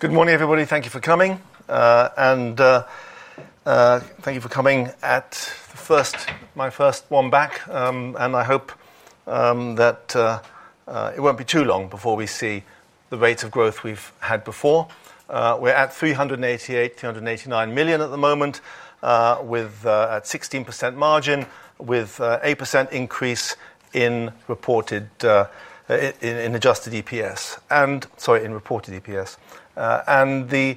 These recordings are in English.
Good morning everybody. Thank you for coming and thank you for coming at first. My first one back, and I hope that it won't be too long before. We see the rates of growth we've had before. We're at $388.389 million at the moment with a 16% margin with 8% increase in reported EPS. The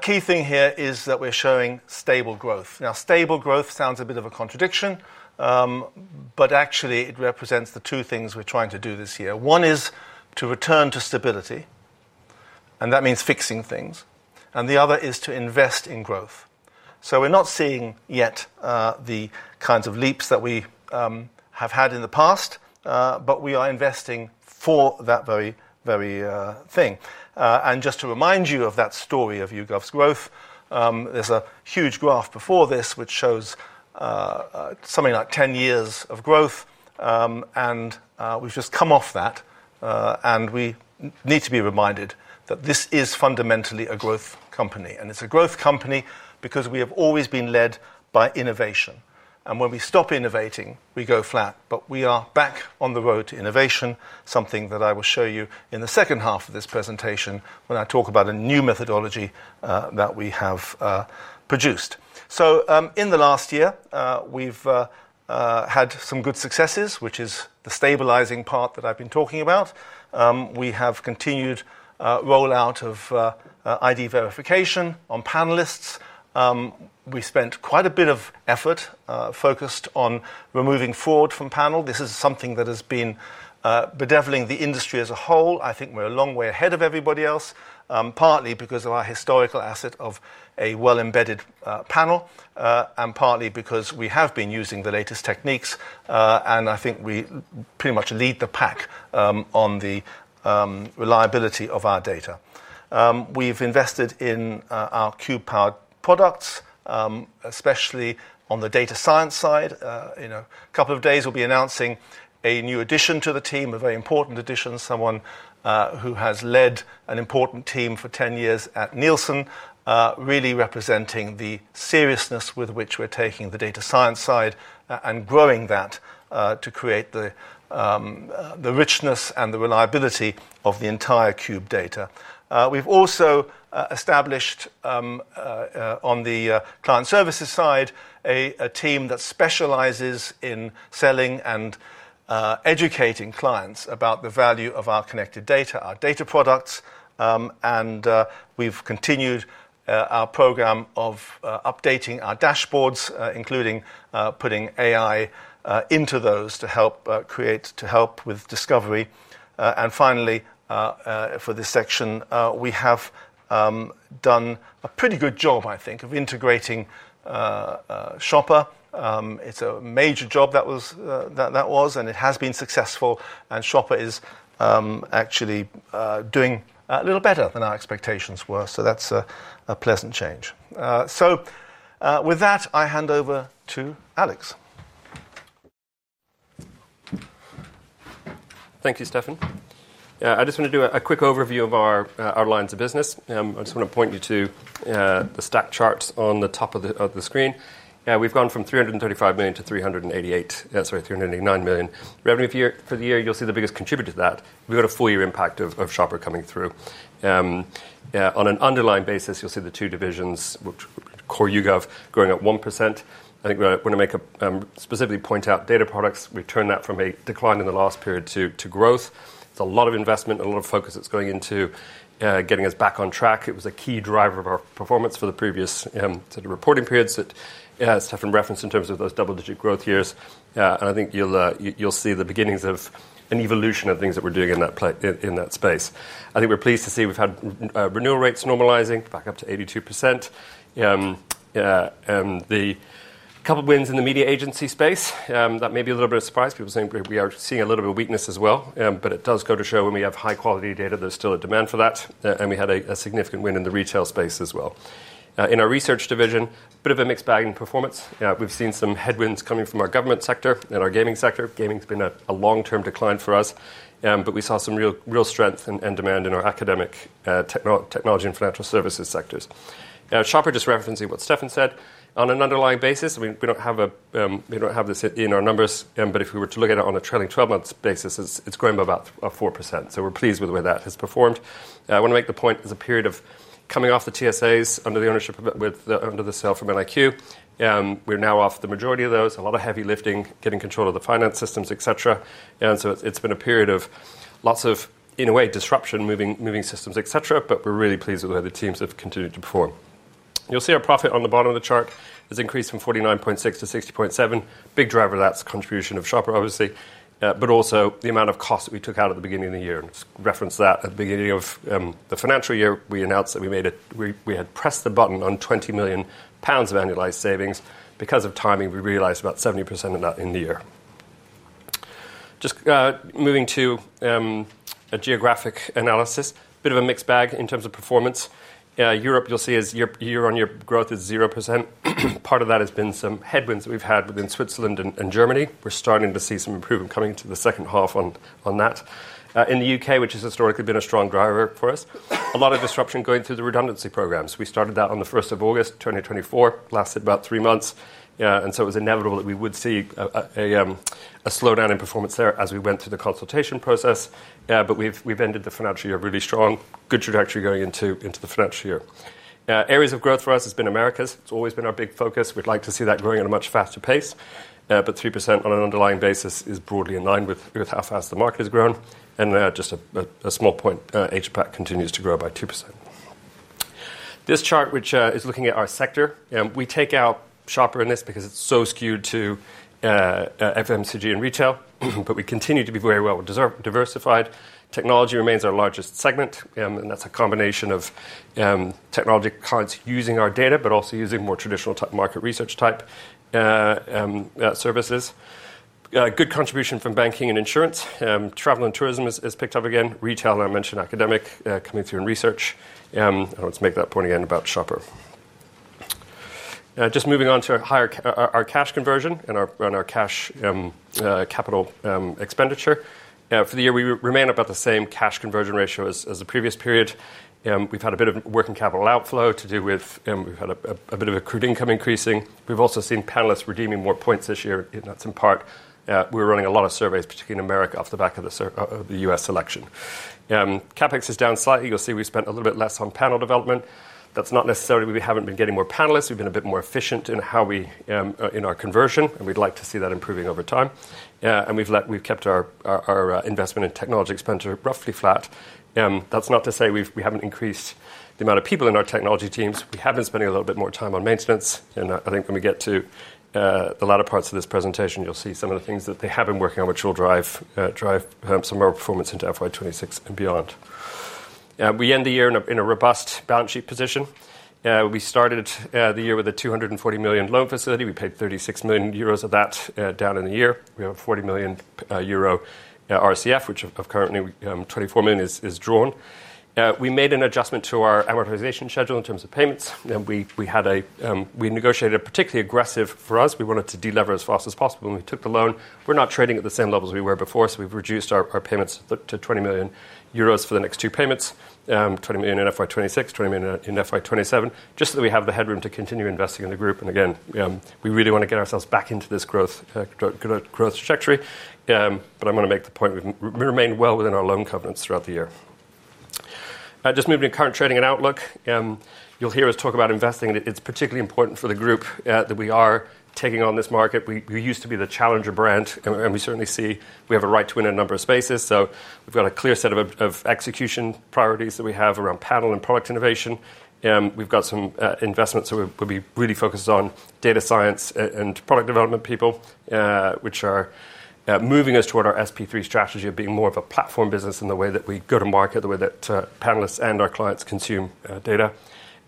key thing here is that we're showing stable growth. Stable growth sounds a bit of a contradiction, but actually it represents the two things we're trying to do this year. One is to return to stability and that means fixing things. The other is to invest in growth. We're not seeing yet the kinds of leaps that we have had in the past, but we are investing for that very, very thing. Just to remind you of that story of YouGov's growth, there's a huge graph before this which shows something like 10 years of growth. We've just come off that and we need to be reminded that this is fundamentally a growth company. It's a growth company because we have always been led by innovation and when we stop innovating we go flat. We are back on the road to innovation, something that I will show you in the second half of this presentation when I talk about a new methodology that we have produced. In the last year we've had some good successes, which is the stabilizing part that I've been talking about. We have continued rollout of ID verification on panelists. We spent quite a bit of effort focused on removing fraud from panel. This is something that has been bedeviling the industry as a whole. I think we're a long way ahead of everybody else, partly because of our historical asset of a well-embedded panel and partly because we have been using the latest techniques. I think we pretty much lead the pack on the reliability of our data. We've invested in our cube powered products, especially on the data science side. In a couple of days we'll be announcing a new addition to the team, a very important addition, someone who has led an important team for 10 years at Nielsen, really representing the seriousness with which we're taking the data science side and growing that to create the richness and the reliability of the entire Kube data. We've also established on the client services side a team that specializes in selling and educating clients about the value of our connected data, our data products. We've continued our program of updating our dashboards, including putting AI into those to help with discovery. Finally, for this section, we have done a pretty good job I think of integrating YouGov Shopper. It's a major job that was and it has been successful and YouGov Shopper is. Actually doing a little better than our expectations were. That's a pleasant change. With that, I hand over to Alex. Thank you, Stephan. I just want to do a quick overview of our lines of business. I just want to point you to the stack charts on the top of the screen. We've gone from £335 million to £389 million revenue for the year. You'll see the biggest contributor to that. We've got a full year impact of YouGov Shopper coming through on an underlying basis. You'll see the two divisions, core YouGov growing at 1%. I think I want to specifically point out data products. We've turned that from a decline in the last period to growth. It's a lot of investment, a lot of focus that's going into getting us back on track. It was a key driver of our performance for the previous reporting periods that Stephan referenced in terms of those double-digit growth years. I think you'll see the beginnings of an evolution of things that we're doing in that space. I think we're pleased to see we've had renewal rates normalizing back up to 82%. A couple wins in the media agency space. That may be a little bit of a surprise, people saying we are seeing a little bit of weakness as well. It does go to show when we have high quality data, there's still a demand for that. We had a significant win in the retail space as well in our research division. Bit of a mixed bag in performance. We've seen some headwinds coming from our government sector and our gaming sector. Gaming has been a long-term decline for us, but we saw some real strength and demand in our academic, technology, and financial services sectors. YouGov Shopper, just referencing what Stephan said on an underlying basis, we don't have this in our numbers but if we were to look at it on a trailing 12 months basis, it's growing by about 4%. We're pleased with the way that has performed. I want to make the point as a period of coming off the TSAs under the ownership, under the sale from NIQ, we're now off the majority of those, a lot of heavy lifting, getting control of the finance systems, et cetera. It's been a period of lots of, in a way, disruption, moving systems, etc. We're really pleased with how the teams have continued to perform. You'll see our profit on the bottom of the chart has increased from £49.6 million to £60.7 million. Big driver. That's the contribution of YouGov Shopper, obviously, but also the amount of cost that we took out at the beginning of the year. Reference that. At the beginning of the financial year we announced that we had pressed the button on £20 million of annualized savings. Because of timing, we realized about 70% in the year. Just moving to a geographic analysis. Bit of a mixed bag in terms of performance. Europe, you'll see as year-on-year growth is 0%. Part of that has been some headwinds that we've had within Switzerland and Germany. We're starting to see some improvement coming to the second half on that in the UK, which has historically been a strong driver for us. A lot of disruption going through the redundancy programs. We started that on August 1, 2024, lasted about three months, and it was inevitable that we would see a slowdown in performance there as we went through the consultation process. We've ended the financial year really strong. Good trajectory going into the financial year. Areas of growth for us have been Americas. It's always been our big focus. We'd like to see that growing at a much faster pace. 3% on an underlying basis is broadly in line with how fast the market has grown. Just a small point, APAC continues to grow by 2%. This chart, which is looking at our sector, we take out YouGov Shopper in this because it's so skewed to FMCG and retail. We continue to be very well diversified. Technology remains our largest segment, and that's a combination of technology clients using our data, but also using more traditional market research type services. Good contribution from banking and insurance, travel and tourism has picked up again. Retail. I mentioned academic coming through in research. I want to make that point again about YouGov Shopper. Just moving on to our cash conversion and our cash capital expenditure for the year. We remain about the same cash conversion ratio as the previous period. We've had a bit of working capital outflow to do with. We've had a bit of accrued income increasing. We've also seen panelists redeeming more points this year. That's in part, we're running a lot of surveys, particularly in Americas off the back of the U.S. election. CapEx is down slightly. You'll see we spent a little bit less on panel development. That's not necessarily. We haven't been getting more panelists. We've been a bit more efficient in how we in our conversion, and we'd like to see that improving over time, and we've kept our investment in technology expenditure roughly flat. That's not to say we haven't increased the amount of people in our technology teams. We have been spending a little bit more time on maintenance, and I think when we get to the latter parts of this presentation, you'll see some of the things that they have been working on which will drive some more performance into FY26 and beyond. We end the year in a robust balance sheet position. We started the year with a €240 million loan facility. We paid €36 million of that down in the year. We have a €40 million RCF, of which currently €24 million is drawn. We made an adjustment to our amortization schedule in terms of payments. We negotiated a particularly aggressive, for us, we wanted to delever as fast as possible when we took the loan. We're not trading at the same levels we were before, so we've reduced our payments to €20 million for the next two payments: €20 million in FY26, €20 million in FY27, just so that we have the headroom to continue investing in the group. Again, we really want to get ourselves back into this growth trajectory. I want to make the point we remain well within our loan covenants throughout the year. Moving to current trading and outlook, you'll hear us talk about investing. It's particularly important for the group that we are taking on this market. We used to be the challenger brand, and we certainly see we have a right to win a number of spaces. We've got a clear set of execution priorities that we have around panel and product innovation. We've got some investments that will be really focused on data science and product development people, which are moving us toward our SP3 strategy of being more of a platform business in the way that we go to market, the way that panelists and our clients consume data, and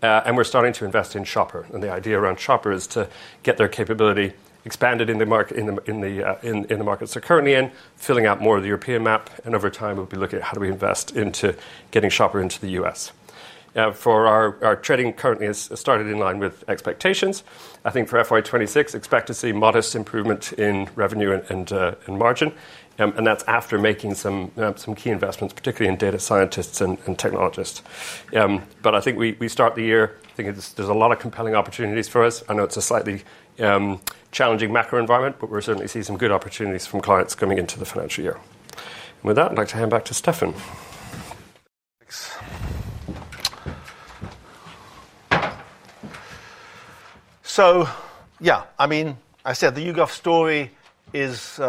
we're starting to invest in Shopper. The idea around Shopper is to get their capability expanded in the market. In the markets we are currently in, filling out more of the European map, and over time we'll be looking at how we invest into getting Shopper into the U.S. Our trading currently has started in line with expectations, I think, for FY26. Expect to see modest improvement in revenue and margin, and that's after making some key investments, particularly in data scientists and technologists. I think we start the year, I think there's a lot of compelling opportunities for us. I know it's a slightly challenging macro environment, but we're certainly seeing some good opportunities from clients coming into the financial year. With that, I'd like to hand back to Stephan. Thanks. I mean, I said the YouGov story is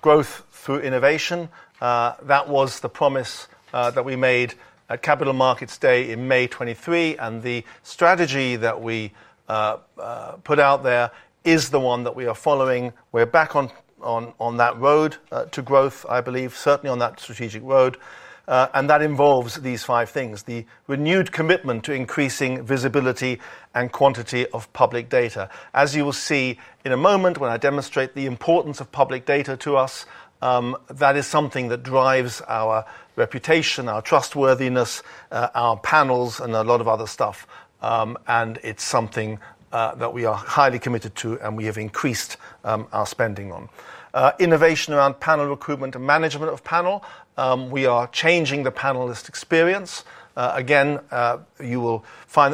growth through innovation. That was the promise that we made at Capital Markets Day in May 2023. The strategy that we put out there is the one that we are following. We're back on that road to growth, I believe, certainly on that strategic road. That involves these five things: the renewed commitment to increasing visibility and quantity of public data. As you will see in a moment, when I demonstrate the importance of public data to us, that is something that drives our reputation, our trustworthiness, our panels, and a lot of other stuff. It is something that we are highly committed to, and we have increased our spending on. Innovation around panel recruitment and management of panel. We are changing the panelist experience. Again, you will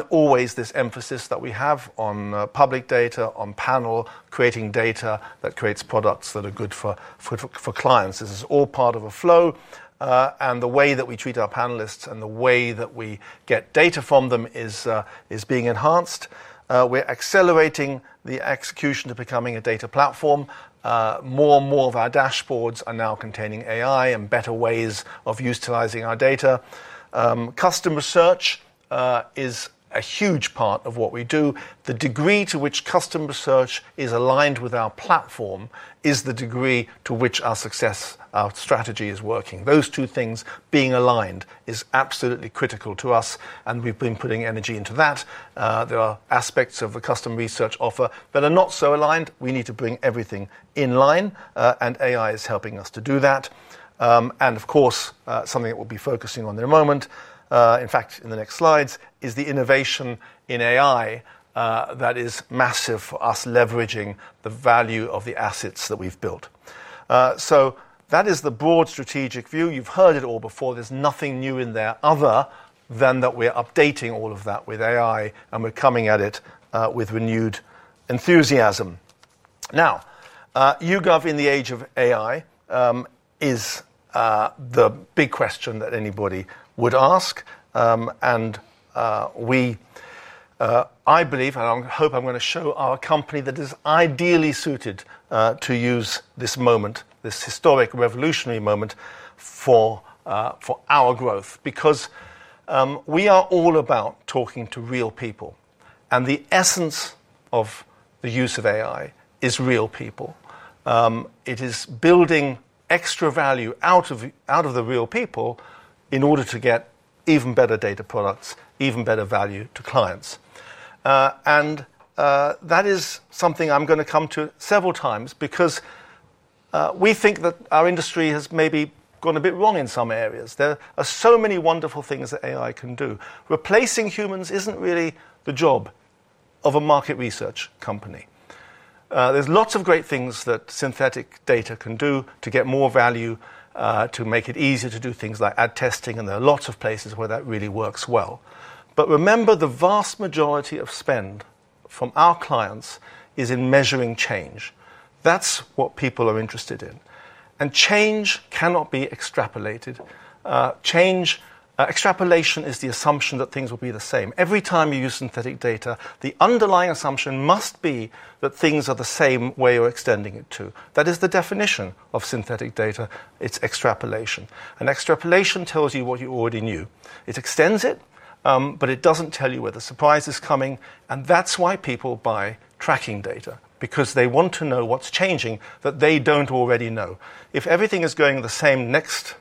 always find this emphasis. That we have on public data. Panel, creating data that creates products that are good for clients. This is all part of a flow. The way that we treat our. Panelists and the way that we get. Data from them is being enhanced. We're accelerating the execution to becoming a data platform. More and more of our dashboards are now containing AI and better ways of utilizing our data. Customer search is a huge part of what we do. The degree to which customer search is aligned with our platform is. Is the degree to which our success strategy is working. Those two things being aligned is absolutely. Critical to us, and we've been putting energy into that. There are aspects of the custom research. Offer that are not so aligned. We need to bring everything in line, and AI is helping us to do that. Something that we'll be. Focusing on, in a moment, in fact, in the next slides, is the innovation. In AI, that is massive for us. Leveraging the value of the assets that we've built, that is the broad strategic view. You've heard it all before. There's nothing new in there other than that we're updating all of that with. AI, and we're coming at it with renewed enthusiasm. Now, YouGov in the age of AI. Is the big question that anybody would ask. I believe, and I hope. I'm going to show our company that is ideally suited to use this moment, this historic, revolutionary moment for our growth. Because we are all about talking to real people and the essence of the. Use of AI is real. People, it is building extra value out of. The real people in order to get even better data products, even better value to clients. That is something I'm going to come to several times because we think that our industry has maybe gone a bit wrong in some areas. There are so many wonderful things that AI can do. Replacing humans isn't really the job of a market research company. There are lots of great things that synthetic data can do to get more value to make it easier to do things like ad testing, and there are lots of places where. That really works well. Remember, the vast majority of spend from our clients is in measuring change. That's what people are interested in. Change cannot be extrapolated. Extrapolation is the assumption that things will be the same every time you use synthetic data. The underlying assumption must be that things are the same way. You're extending it to that. That is the definition of synthetic data. It's extrapolation. Extrapolation tells you what you already knew. It extends it, but it doesn't tell you where the surprise is coming. That's why people buy tracking data, because they want to know what's changing that they don't already know. If everything is going the same next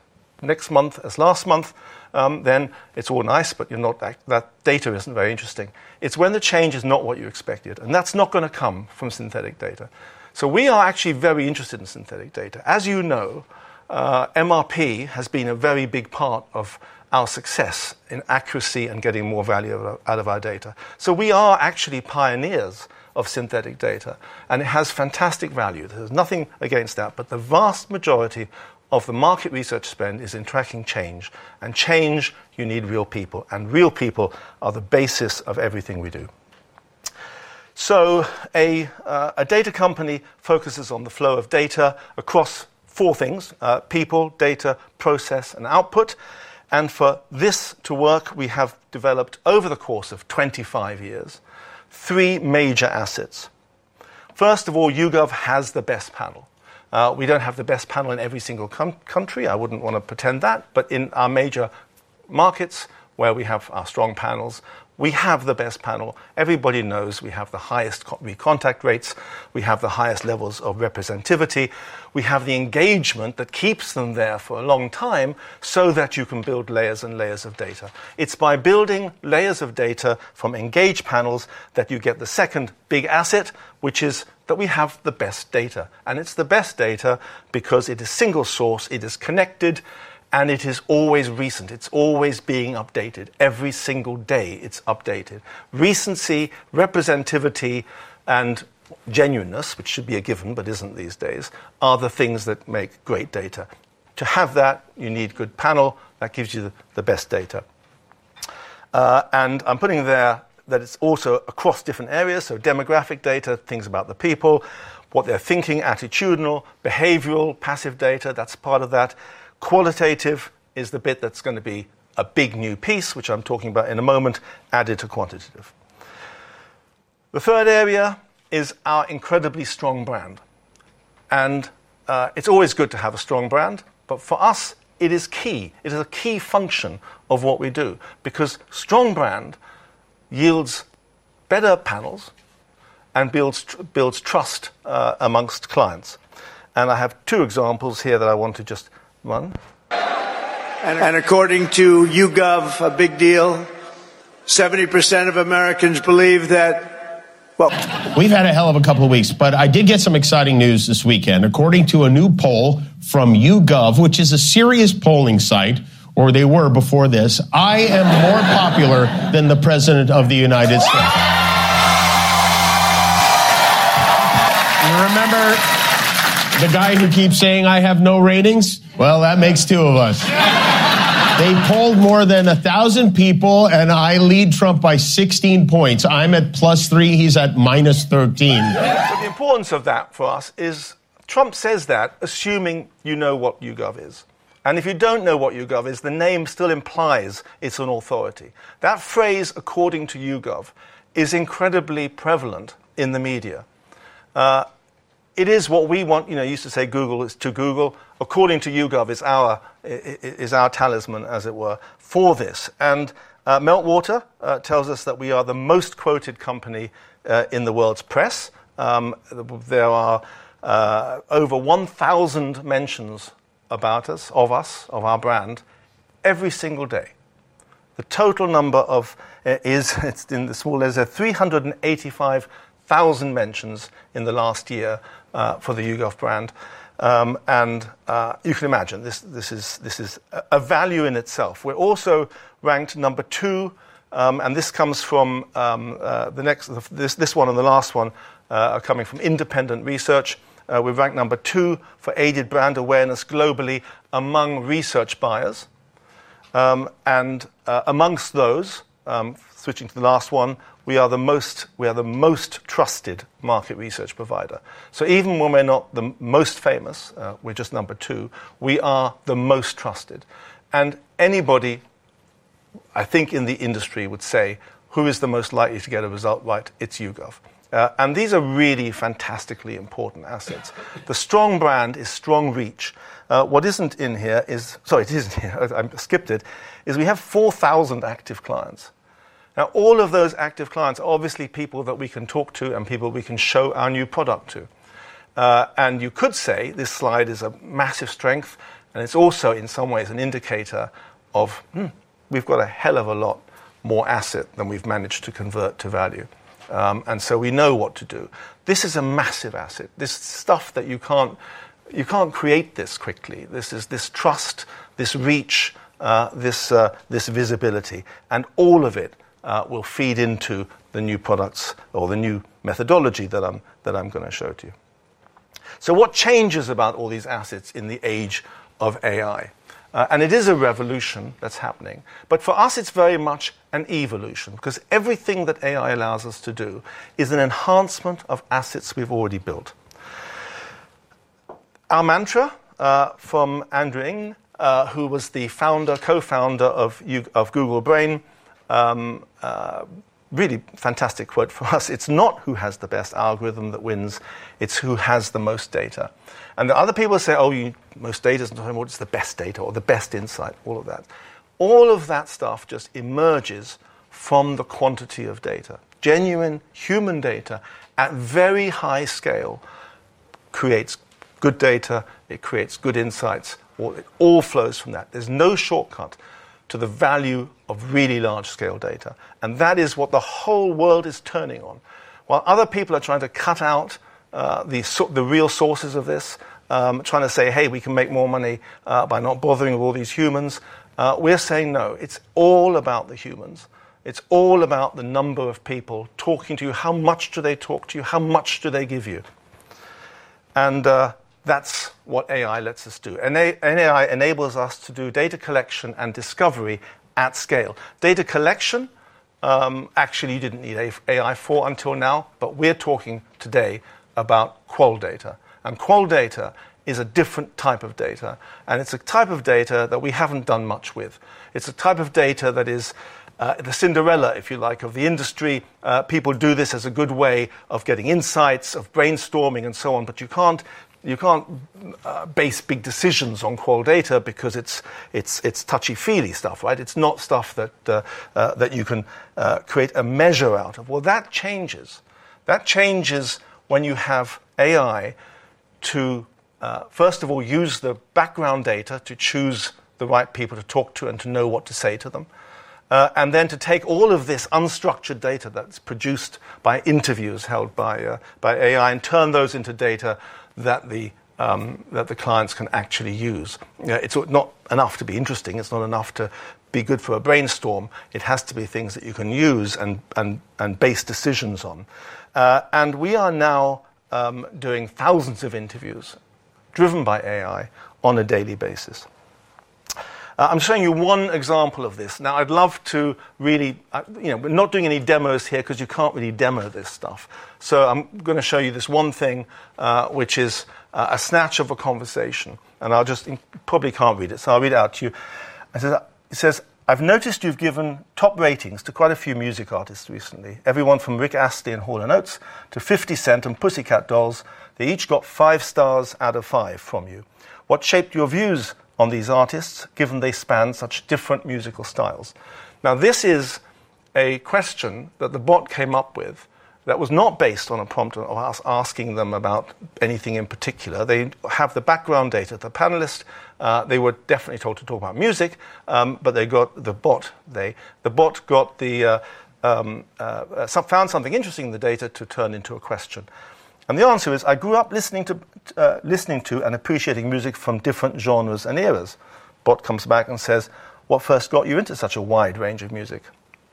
month as last month, then it's all nice. That data isn't very interesting. It's when the change is not what you expected, and that's not going to come from synthetic data. We are actually very interested in synthetic data. As you know, MRP has been a very big part of our success in accuracy and getting more value out of our data. We are actually pioneers of synthetic data and it has fantastic value. There's nothing against that, but the vast majority of the market research spend is in tracking change, and change, you need real people, and real people are the basis of everything we do. A data company focuses on the flow of data across four things: people, data, process, and output. For this to work, we have developed over the course of 25 years three major assets. First of all, YouGov has the best panel. We don't have the best panel in every single country. I wouldn't want to pretend that. In our major countries, markets where we have our strong panels, we have the best panel. Everybody knows we have the highest contact rates, we have the highest levels of representivity. We have the engagement that keeps them there for a long time so that you can build layers and layers of data. It's by building layers of data from engaged panels that you get the second big asset, which is that we have the best data. It's the best data because it is single source, it is connected, and it is always recent. It's always being updated. Every single day, it's updated. Recency, representivity, and genuineness, which should be a given, but isn't these days, are the things that make great data. To have that, you need a good panel that gives you the best data. It's also across different areas: demographic data, things about the people, what they're thinking, attitudinal, behavioral, passive data. That's part of that. Qualitative is the bit that's going to be a big new piece, which I'm talking about in a moment, added to quantitative. The third area is our incredibly strong brand. It's always good to have a strong brand, but for us, it is key. It is a key function of what we do, because strong brand yields better panels and builds trust amongst clients. I have two examples here that I want to just run. According to YouGov, a big deal. 70% of Americans believe that. We've had a hell of a. Couple of weeks, I did get. Some exciting news this weekend. According to a new poll from YouGov. Which is a serious polling site. They were before this. I am more. Popular than the President of the U.S. Remember the guy who keeps saying I have no ratings? That makes two of us. They polled more than 1,000 people. I lead Trump by 16 points. I'm at plus 3, he's at minus 13. The importance of that for us is Trump says that assuming you know what YouGov is, and if you don't know what YouGov is, the name still implies it's an authority. That phrase, according to YouGov, is incredibly prevalent in the media. It is what we want. You know, you used to say Google is to. Google, according to YouGov, is our talisman. As it were for this. Meltwater tells us that we are the most quoted company in the world's press. There are over 1,000 mentions about us, of us, of our brand every single day. The total number is not small. There are 385,000 mentions in the last year for the YouGov brand. You can imagine this is a value in itself. We are also ranked number two. This one and the last one are coming from independent research. We are ranked number two for aided brand awareness globally among research buyers, and amongst those switching to the last one, we are the most trusted market research provider. Even when we're not the most famous, we're just number two, we are the most trusted. Anybody, I think, in the industry would say who is the most likely. To get a result, right, it's YouGov. These are really fantastically important assets. The strong brand is strong reach. We have 4,000 active clients now. All of those active clients are obviously people that we can talk to and people we can show our new product to. You could say this slide is a massive strength. It's also in some ways an indicator of we've got a hell of. A lot more asset than we've managed to convert to value. We know what to do. This is a massive asset. This stuff, you can't create this quickly. This trust, this reach, this visibility, and all of it will feed into the new products or the new methodology that I'm going to show to you. What changes about all these assets in the age of AI? It is a revolution that's happening, but for us, it's very much an evolution because everything that AI allows us to do is an enhancement of assets we've already built. Our mantra from Andrew Ng, who was the founder, co-founder of Google Brain, really fantastic quote. For us, it's not who has the best algorithm that wins, it's who has the most data. Other people say, oh, most data isn't the best data or the best insight. All of that stuff just emerges from the quantity of data. Genuine human data at very high scale creates good data, it creates good insights, it all flows from that. There's no shortcut to the value of really large-scale data. That is what the whole world is turning on. While other people are trying to cut out the real sources of this, trying to say, hey, we can make more money by not bothering all these humans, we're saying, no, it's all about the humans. It's all about the number of people talking to you. How much do they talk to you? How much do they give you? That's what AI lets us do. AI enables us to do data collection and discovery at scale. Data collection, actually you didn't need AI for until now, but we're talking today about qual data. Qual data is a different type of data. It's a type of data that we haven't done much with. It's a type of data that is the Cinderella, if you like, of the industry. People do this as a good way of getting insights, of brainstorming and so on, but you can't base big decisions on qual data because it's touchy feely stuff. Right. It's not stuff that you can create a measure out of. That changes when you have AI to first of all use the background data to choose the right people to talk to and to know what to say to them. Then to take all of this unstructured data that's produced by interviews held by AI and turn those into data. That the clients can actually use. It's not enough to be interesting. Not enough to be good for a brainstorm. It has to be things that you can use and base decisions on. We are now doing thousands of interviews driven by AI on a daily basis. I'm showing you one example of this now. I'd love to really, you know, we're not doing any demos here because you can't really demo this stuff. I'm going to show you this one thing, which is a snatch of a conversation, and I'll just probably can't read it, so I'll read it out to you. It says, I've noticed you've given top ratings to quite a few music artists recently. Everyone from Rick Astley and Hall and Oates to 50 Cent and Pussycat Dolls. They each got five stars out of five from you. What shaped your views on these artists given they span such different musical styles? This is a question that the bot came up with that was not based on a prompt of us asking them about anything in particular. They have the background data, the panelists, they were definitely told to talk about music, but they got the bot. The bot found something interesting in the data to turn into a question. The answer is, I grew up listening to and appreciating music from different genres and eras. Bot comes back and says, what first got you into such a wide range of music?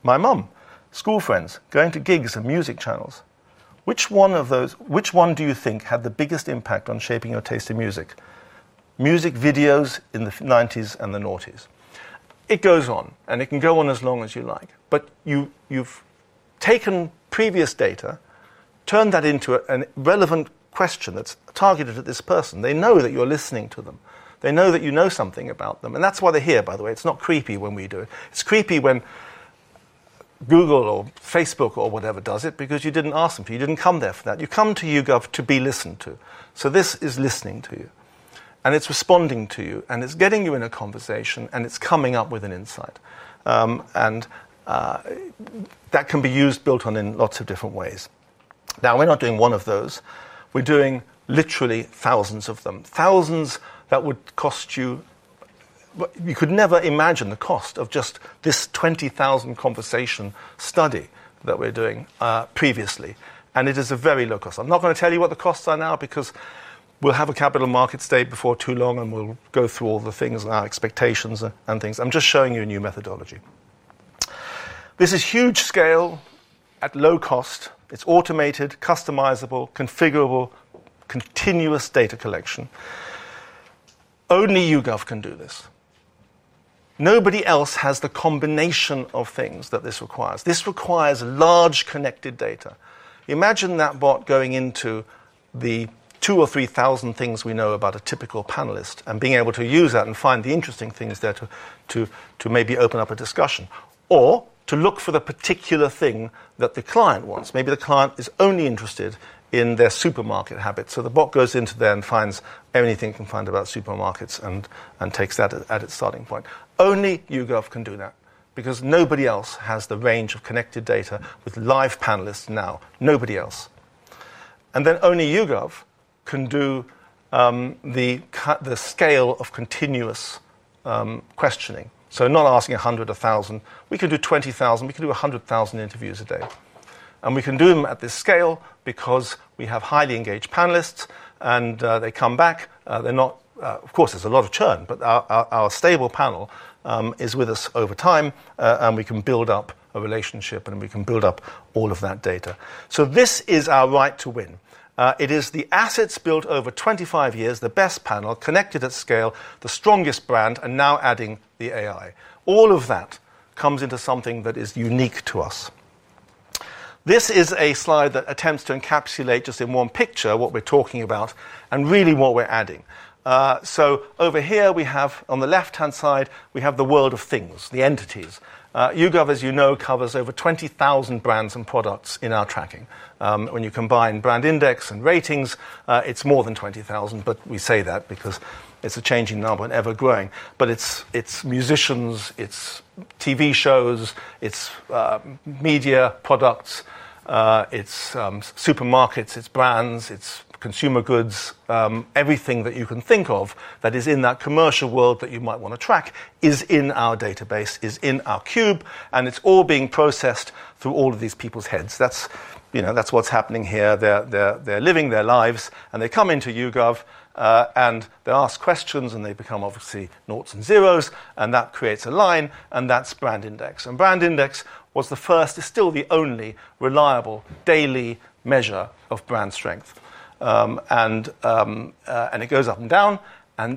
My mum, school friends, going to gigs and music channels. Which one of those, which one do you think had the biggest impact on. Shaping your taste in music? Music videos in the 90s and the noughties. It goes on and it can go on as long as you like, but you've taken previous data, turned that into a relevant question that's targeted to this person. They know that you're listening to them, they know that you know something about them and that's why they're here by the way. It's not creepy when we do it, it's creepy when Google or Facebook or whatever does it. Because you didn't ask them for. You didn't come there for that. You come to YouGov to be listened to. This is listening to you and it's responding to you and it's getting you in a conversation and it's coming up with an insight and that can be used, built on in lots of different ways. Now we're not doing one of those, we're doing literally thousands of them. Thousands that would cost you. You could never imagine the cost of just this $20,000 conversation study that we're doing previously. It is a very low cost. I'm not going to tell you what the costs are now because we'll have a Capital Markets Day before too long and we'll go through all the things, our expectations and things. I'm just showing you a new methodology. This is huge scale at low cost. It's automated, customizable, configurable, continuous data collection. Only YouGov can do this. Nobody else has the combination of things that this requires. This requires large connected data. Imagine that bot going into the two or three thousand things we know about a typical panelist and being able to use that and find the interesting things there to maybe open up a discussion or to look for the particular thing that the client wants. Maybe the client is only interested in their supermarket habits. The bot goes into there and finds anything it can find about supermarkets and takes that as its starting point. Only YouGov can do that because nobody else has the range of connected data with live panelists now. Nobody else. Only YouGov can do the scale of continuous questioning. Not asking 100, 1,000, we can do 20,000, we can do 100,000 interviews a day and we can do them at this scale because we have highly engaged panelists and they come back. Of course there's a lot of churn, but our stable panel is with us over time and we can build up a relationship and we can build up. All of that data. This is our right to win. It is the assets built over 25 years, the best panel connected at scale, the strongest brand. Now adding the AI, all of that comes into something that is unique to us. This is a slide that attempts to encapsulate just in one picture what we're talking about and really what we're adding. Over here on the left hand side, we have the world of things, the entities. YouGov, as you know, covers over 20,000 brands and products. In our tracking, when you combine BrandIndex and ratings, it's more than 20,000. We say that because it's a. Changing number and ever growing. It's musicians, it's TV shows, it's media products, it's supermarkets, it's brands, it's consumer goods. Everything that you can think of that is in that commercial world that you might want to track is in our database, is in our cube. It's all being processed through all. Of these people's heads. That's what's happening here. They're living their lives and they come into YouGov and they ask questions and they become obviously noughts and zeros, and that creates a line. That's BrandIndex. BrandIndex was the first, is still the only reliable daily measure of brand strength. It goes up and down.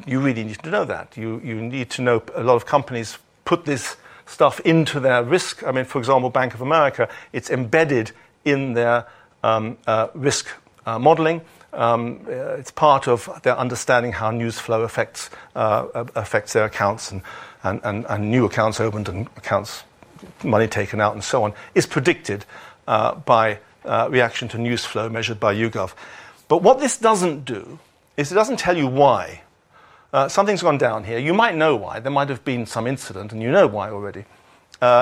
You really need to know that. You need to know. A lot of companies put this stuff into their risk. For example, Bank of America, it's embedded in their risk modeling. It's part of their understanding how news flow affects their accounts. New accounts opened and accounts money taken out and so on is predicted by reaction to news flow measured by YouGov. What this doesn't do is it doesn't tell you why something's gone down here. You might know why, there might have been some incident and you know why already.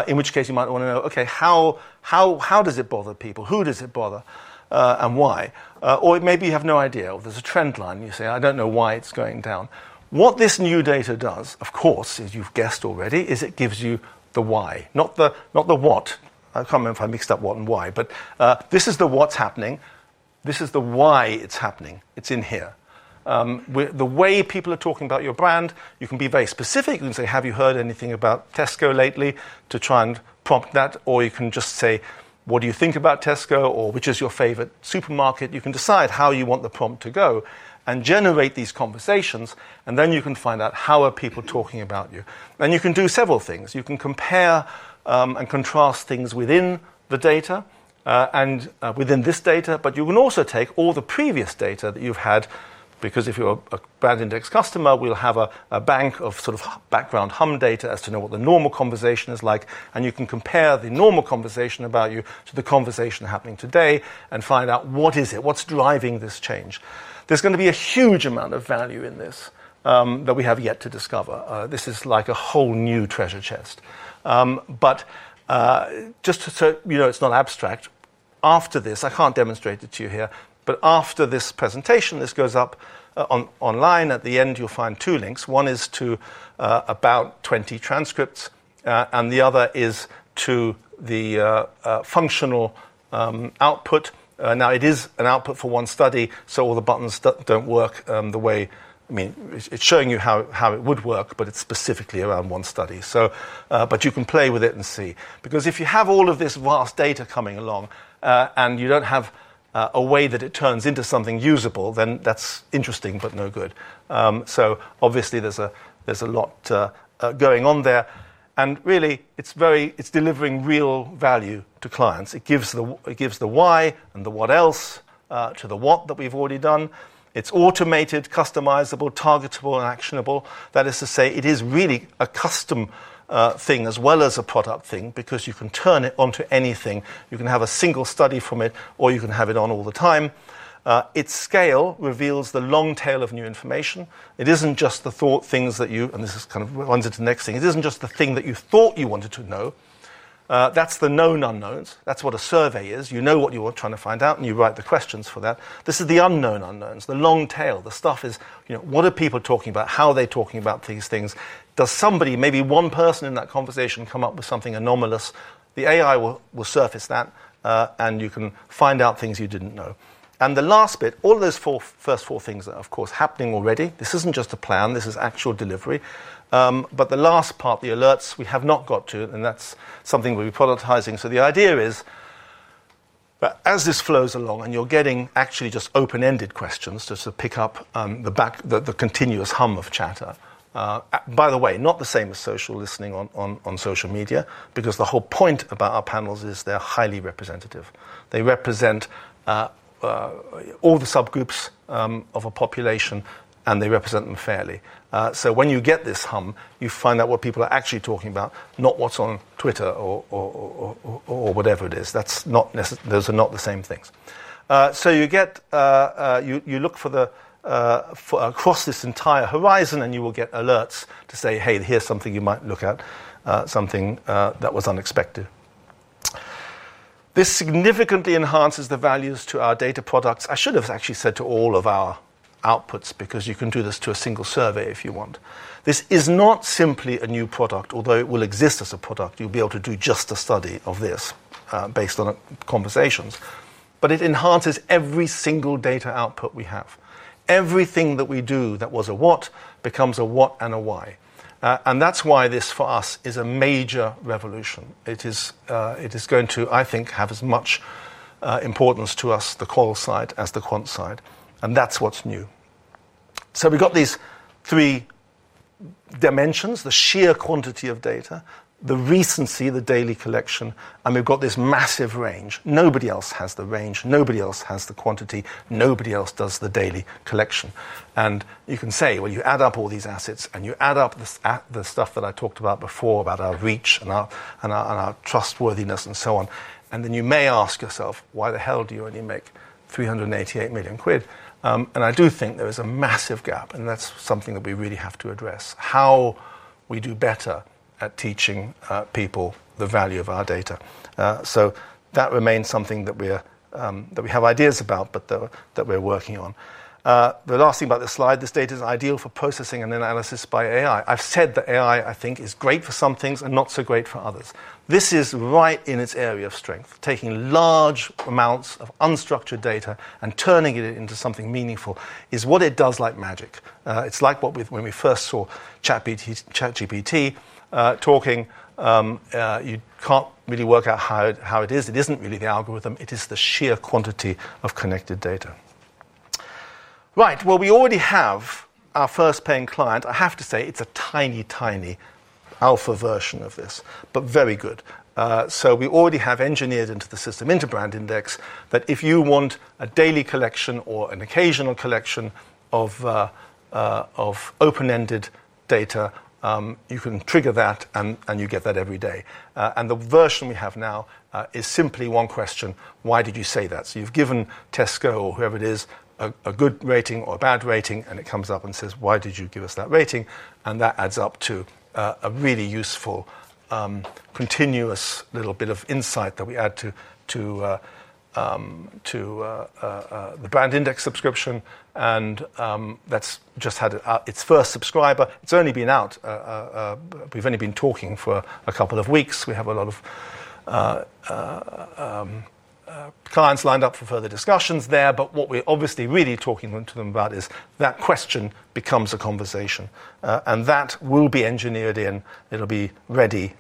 In which case you might want to know, okay, how does it bother people? Who does it bother and why? Or maybe you have no idea. There's a trend line. You say, I don't know why it's going down. What this new data does, of course, as you've guessed already, is it gives you the why, not the what. I can't remember if I mixed up what and why, but this is the what's happening. This is the why it's happening. It's in here, the way people are talking about your brand. You can be very specific. You can say, have you heard anything about Tesco lately, people to try and prompt that? Or you can just say, what do you think about Tesco? Or which is your favorite supermarket? You can decide how you want the prompt to go and generate these conversations. Then you can find out, how are people talking about you? You can do several things. You can compare and contrast things within the data and within this data. You can also take all the previous data that you've had, because if you're a BrandIndex customer, we'll have a bank of sort of background hum data as to know what the normal conversation is like and you can compare the normal conversation about you to the conversation happening today and find out what is it, what's driving this change. There's going to be a huge amount of value in this that we have yet to discover. This is like a whole new treasure chest. Just so you know, it's not abstract after this. I can't demonstrate it to you here, but after this presentation this goes up online. At the end you'll find two links. One is to about 20 transcripts and the other is to the functional output. Now it is an output for one study. All the buttons don't work the way. I mean, it's showing you how it would work, but it's specifically around one study. You can play with it and see because if you have all of this vast data coming along and you don't have a way that it turns into something usable, then that's interesting, but no good. Obviously, there's a lot going on there and really it's delivering real value to clients. It gives the why and the what else to the what that we've already done. It's automated, customizable, targetable, and actionable. That is to say, it is really a custom thing as well as a product thing because you can turn it onto anything. You can have a single study from it or you can have it on all the time. Its scale reveals the long tail of new information. It isn't just the things that you, and this kind of runs into the next thing, it isn't just the thing that you thought you wanted to know. That's the known unknowns. That's what a survey is. You know what you are trying to find out and you write the questions for that. This is the unknown unknowns, the long tail. The stuff is, you know, what are people talking about? How are they talking about these things? Does somebody, maybe one person in that conversation, come up with something anomalous? The AI will surface that and you can find out things you didn't know. The last bit, all those first four things are of course happening already. This isn't just a plan, this is actual delivery. The last part, the alerts, we have not got to and that's something we're prioritizing. The idea is as this flows along and you're getting actually just open-ended questions just to pick up the continuous hum of chatter, by the way, not the same as social listening on social media, because the whole point about our panels is they're highly representative. They represent. All the subgroups of a population, and they represent them fairly. When you get this hum, you find out what people are actually talking. About, not what's on Twitter or whatever it is. That's not necessarily. Those are not the same things. You get, you look for the, across this entire horizon, and you will get alerts to say, hey, here's something you might look at, something that was unexpected. This significantly enhances the values to our data products. I should have actually said to all of our outputs, because you can do. This to a single survey if you want. This is not simply a new product, although it will exist as a product. You'll be able to do just a study of this based on conversations, but it enhances every single data output we have. Everything that we do that was a what becomes a what and a why. That's why this, for us, is a major revolution. It is going to, I think, have as much importance to us, the call. Side, as the quant side. That's what's new. We've got these three dimensions: the sheer quantity of data, the recency, the daily collection, and we've got this massive range. Nobody else has the range, nobody else has the quantity, nobody else does the daily collection. You can say, well, you add. up all these assets and you add up the stuff that I talked about. Before, about our reach and our trustworthiness and so on, you may ask yourself, why. The hell do you only make £388 million? I do think there is a. Massive gap, and that's something that we really have to address, how we do better at teaching people the value of our data. That remains something that we're, that we have ideas about, but that we're working on. The last thing about this slide, this data is ideal for processing and analysis by AI. I've said that AI, I think, is great for some things and not so great for others. This is right in its area of strength. Taking large amounts of unstructured data and turning it into something meaningful is what it does. Like magic. It's like what we first saw. ChatGPT talking, you can't really work out how it is. It isn't really the algorithm, it is the sheer quantity of connected data. Right. We already have our first paying client. I have to say, it's a tiny, tiny alpha version of this, but very good. We already have engineered into the system, into BrandIndex, that if you want a daily collection or an occasional collection of open ended data, you can trigger that and you get that every day. The version we have now is. Simply one question: why did you say that? You've given Tesco or whoever it is. Is a good rating or a bad? Rating, and it comes up and says, why did you give us that rating? That adds up to a really useful, continuous little bit of insight that we add to. The BrandIndex subscription, and that's just had its first subscriber. It's only been out, we've only been talking for a couple of weeks. We have a lot. Clients lined up for further discussions there. What we're obviously really talking to. The question becomes a. Conversation, and that will be engineered in. It'll be ready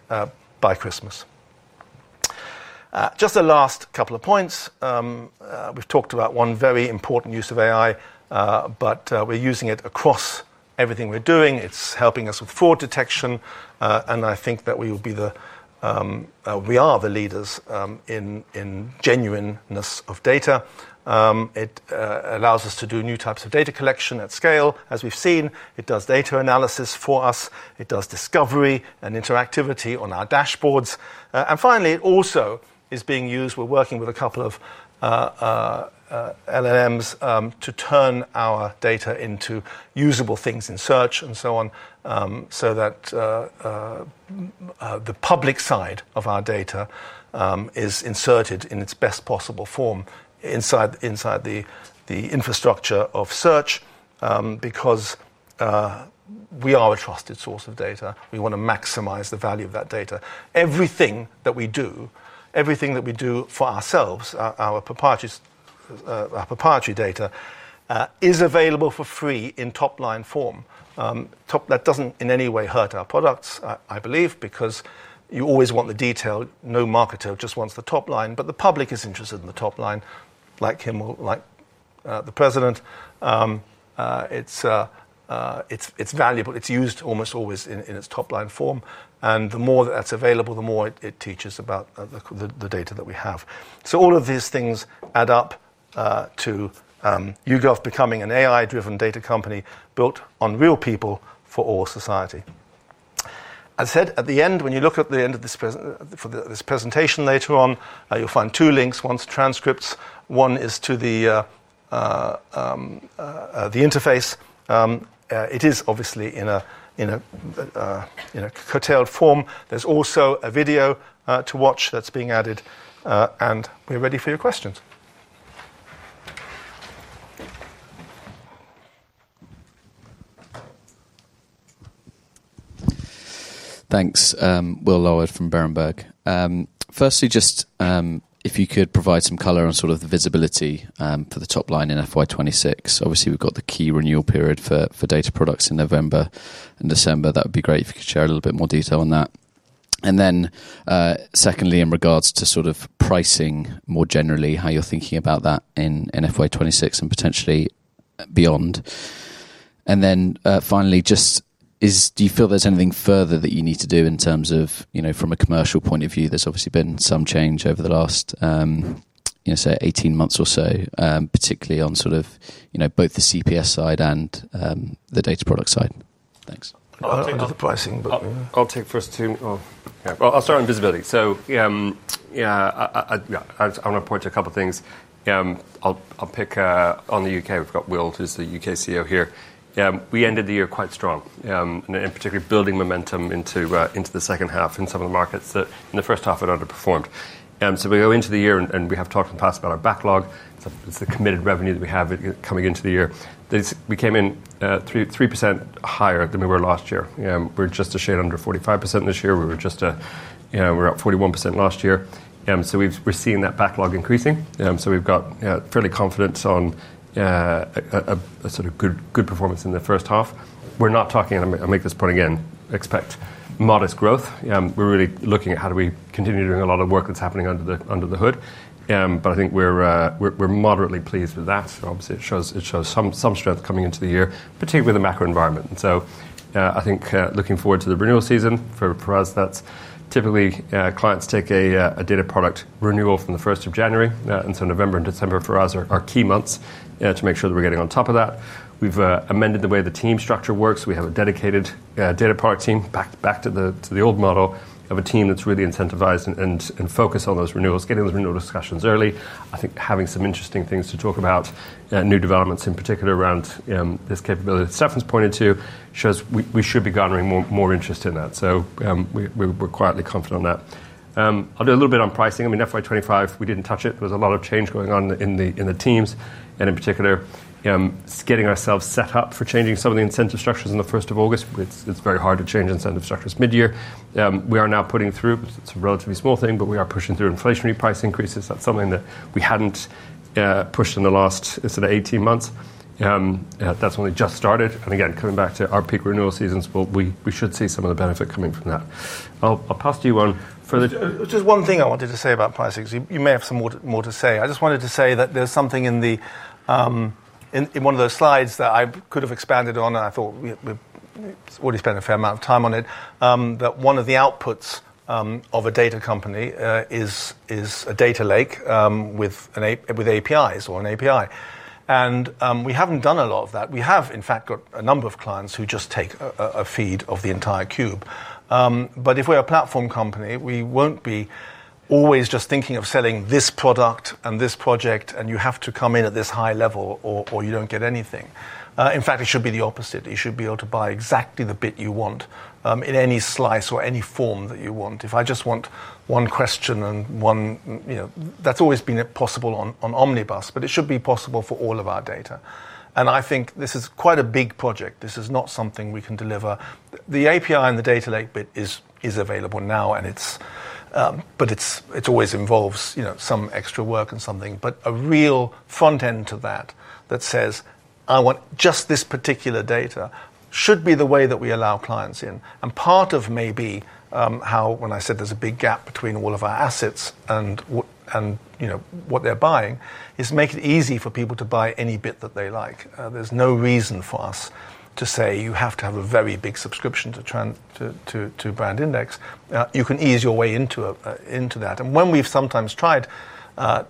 by Christmas. Just the last couple of points, we've talked about one very important use of AI, but we're using it across everything we're doing. It's helping us with fraud detection, and I think that we will be the leaders in genuineness of data. It allows us to do new types. Of data collection at scale as we've seen. It does data analysis for us, it does discovery and interactivity on our dashboards. Finally, it also is being used, we're working with a couple of LLMs to turn our data into usable things in search and so on so that. The public side of our data is inserted in its best possible form inside the infrastructure of search. Because we are a trusted source of data, we want to maximize the value of that data. Everything that we do, everything that we do for ourselves, our proprietary data is available for free in top line form. That doesn't in any way hurt our products, I believe, because you always want the detail. No marketer just wants the top line. The public is interested in the top line, like Kimmel, like the president. It's valuable. It's used almost always in its top line form. The more that that's available, the. More, it teaches about the data that we have. All of these things add up to YouGov becoming an AI-driven data company built on real people for all society. I said at the end, when you look at the end of this presentation later on you'll find two links, one's transcripts, one is to the interface. It is obviously in a curtailed form. There's also a video to watch that's being added and we're ready for your questions. Thanks, Will Loward from Berenberg. Firstly, if you could provide some color on the visibility for the top line in FY2026, obviously we've got the key renewal period for data products in November and December. That would be great if you could share a little bit more detail on that. Secondly, in regards to pricing more generally, how you're thinking about that in FY2026 and potentially beyond. Finally, do you feel there's anything further that you need to do from a commercial point of view? There's obviously been some change over the last, say, 18 months or so, particularly on both the CPS side and the. Data Products side, thanks to the pricing. I'll take the first two. I'll start on visibility. I want to point to a couple of things. I'll pick on the UK. We've got Wilt as the UK CEO here. We ended the year quite strong, in particular building momentum into the second half in some of the markets that in the first half had underperformed. We go into the year, and we have talked in the past about our backlog. It's a committed revenue that we have coming into the year. We came in 3% higher than we were last year. We're just a shade under 45% this year. We were up 41% last year. We're seeing that backlog increasing, so we've got fairly confidence on a sort of good, good performance in the first half. We're not talking. I'll make this point again, expect modest growth. We're really looking at how do we continue doing a lot of work that's happening under the hood. I think we're moderately pleased with that. Obviously, it shows some strength coming into the year, particularly with the macro environment. I think looking forward to the renewal season for us, that's typically clients take a data product renewal from January 1, and so November and December for us are key months to make sure that we're getting on top of that. We've amended the way the team structure works. We have a dedicated data product team, back to the old model of a team that's really incentivized and focused on those renewals, getting the renewal discussions early. I think having some interesting things to talk about, new developments in particular around this capability that Stephan's pointed to, shows we should be garnering more interest in that. We're quietly confident on that. I'll do a little bit on pricing. FY2025, we didn't touch it. There was a lot of change going on in the teams and in particular getting ourselves set up for changing some of the incentive structures on August 1. It's very hard to change incentive structures mid-year. We are now putting through, it's a relatively small thing, but we are pushing through inflationary price increases. That's something that we hadn't pushed in the last 18 months. That's when we just started, and again coming back to our peak renewal seasons. But we. We should see some of the benefit coming from that. I'll pass to you on further. Just one thing I wanted to say about prices. You may have some more to say. I just wanted to say that there's something in the. In one of those slides that I could have expanded on, I thought we already spent a fair amount of time. Time on it, that one of the. Outputs of a data company is a data lake with API/data lake offerings or an API. We haven't done a lot of that. We have in fact got a number of clients who just take a feed of the entire cube. If we're a platform company, we— Won't be always just thinking of selling this product and this project, and you have to come in at this high. Level or you don't get anything. In fact, it should be the opposite. You should be able to buy exactly the bit you want in any slice or any form that you want. If I just want one question, and one that's always been possible on omnibus, but it should be possible for all of our data, and I think this. is quite a big project. This is not something we can deliver. The API/data lake bit. Is available now, but it always involves some extra work and something, but a real front end to that that says I want just this particular data should be the way that we allow clients in, and part of maybe how when I said there's a big gap between all of our assets and what they're. Buying is make it easy for people. To buy any bit that they like. There's no reason for us to say you have to have a very big subscription to BrandIndex. You can ease your way into. When we've sometimes tried.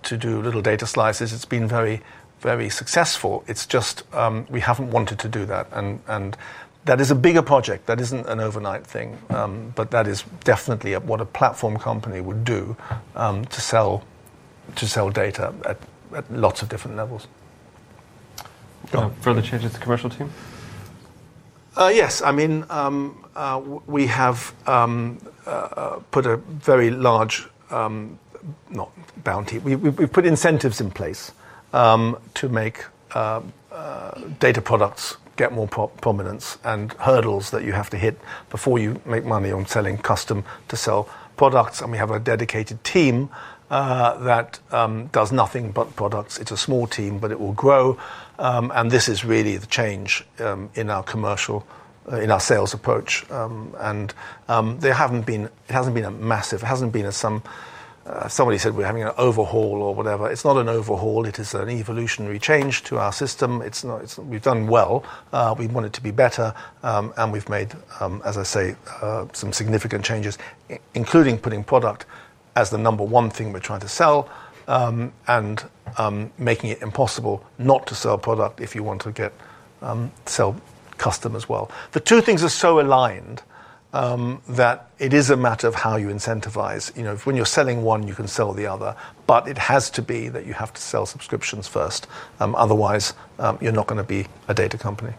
To do little data slices, it's been very, very successful. It's just we haven't wanted to do that, and that is a bigger project that isn't an overnight thing, but that is definitely what a platform company would. Do. To sell data at lots of different levels. Further changes to commercial team, yes, I. We have put a very large, not bounty, we've put incentives in place to make data products get more prominence and hurdles that you have to hit before you make money on selling custom to sell products. We have a dedicated team that does nothing but products. It's a small team but it will grow. This is really the change in our commercial, in our sales approach and they haven't been, it hasn't been a massive, hasn't been as somebody said, we're having an overhaul or whatever. It's not an overhaul, it is an evolutionary change to our system. We've done well, we want it to be better and we've made, as I say, some significant changes including putting product as the number one thing we're trying to sell and making it impossible not to sell product if you want to get sell custom as well. The two things are so aligned that it is a matter of how you incentivize. You know when you're selling one you can sell the other, but it has to be that you have to sell subscriptions first, otherwise you're not going to be a data company.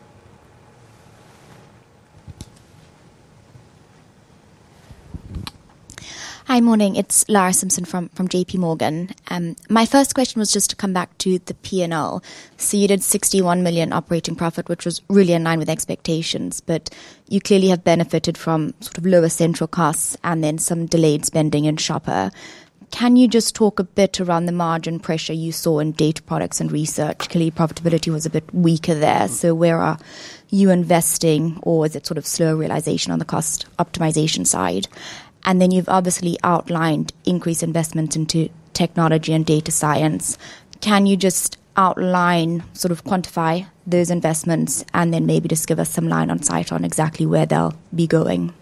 Hi, morning, it's Lara Simpson from JP Morgan. My first question was just to come back to the P&L. You did $61 million operating profit, which was really in line with expectations, but you clearly have benefited from sort of lower central costs and then some delayed spending in Shopper. Can you just talk a bit around the margin pressure you saw in data products and research? Clearly, profitability was a bit weaker there. Where are you investing, or is it sort of slow realization on the cost optimization side? You've obviously outlined increased investments into technology and data science. Can you just outline, sort of quantify those investments, and maybe just give us some line on sight on exactly where they'll be going?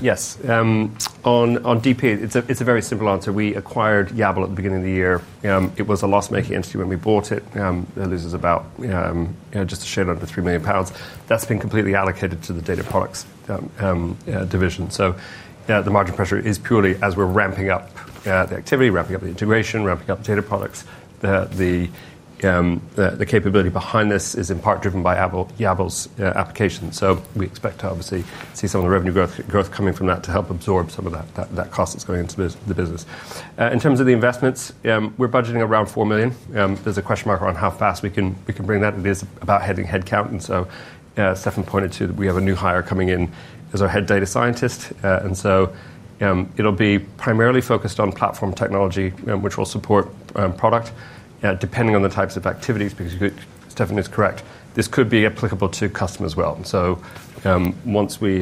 Yes, on DP. It's a very simple answer. We acquired Yabble at the beginning of the year. It was a loss-making entity when we bought it, loses about just a shade under £3 million. That's been completely allocated to the Data Products division. The margin pressure is purely as we're ramping up the activity, ramping up the integration, ramping up Data Products. The capability behind this is in part driven by Yabble's application. We expect to obviously see some of the revenue growth coming from that to help absorb some of that cost that's going into the business. In terms of the investments, we're budgeting around £4 million. There's a question mark on how fast we can bring that. It is about headcount, and as Stephan pointed to, we have a new hire coming in as our Head Data Scientist, and so it'll be primarily focused on platform technology, which will support product depending on the types of activities. Because Stephan is correct, this could be applicable to customers as well. Once we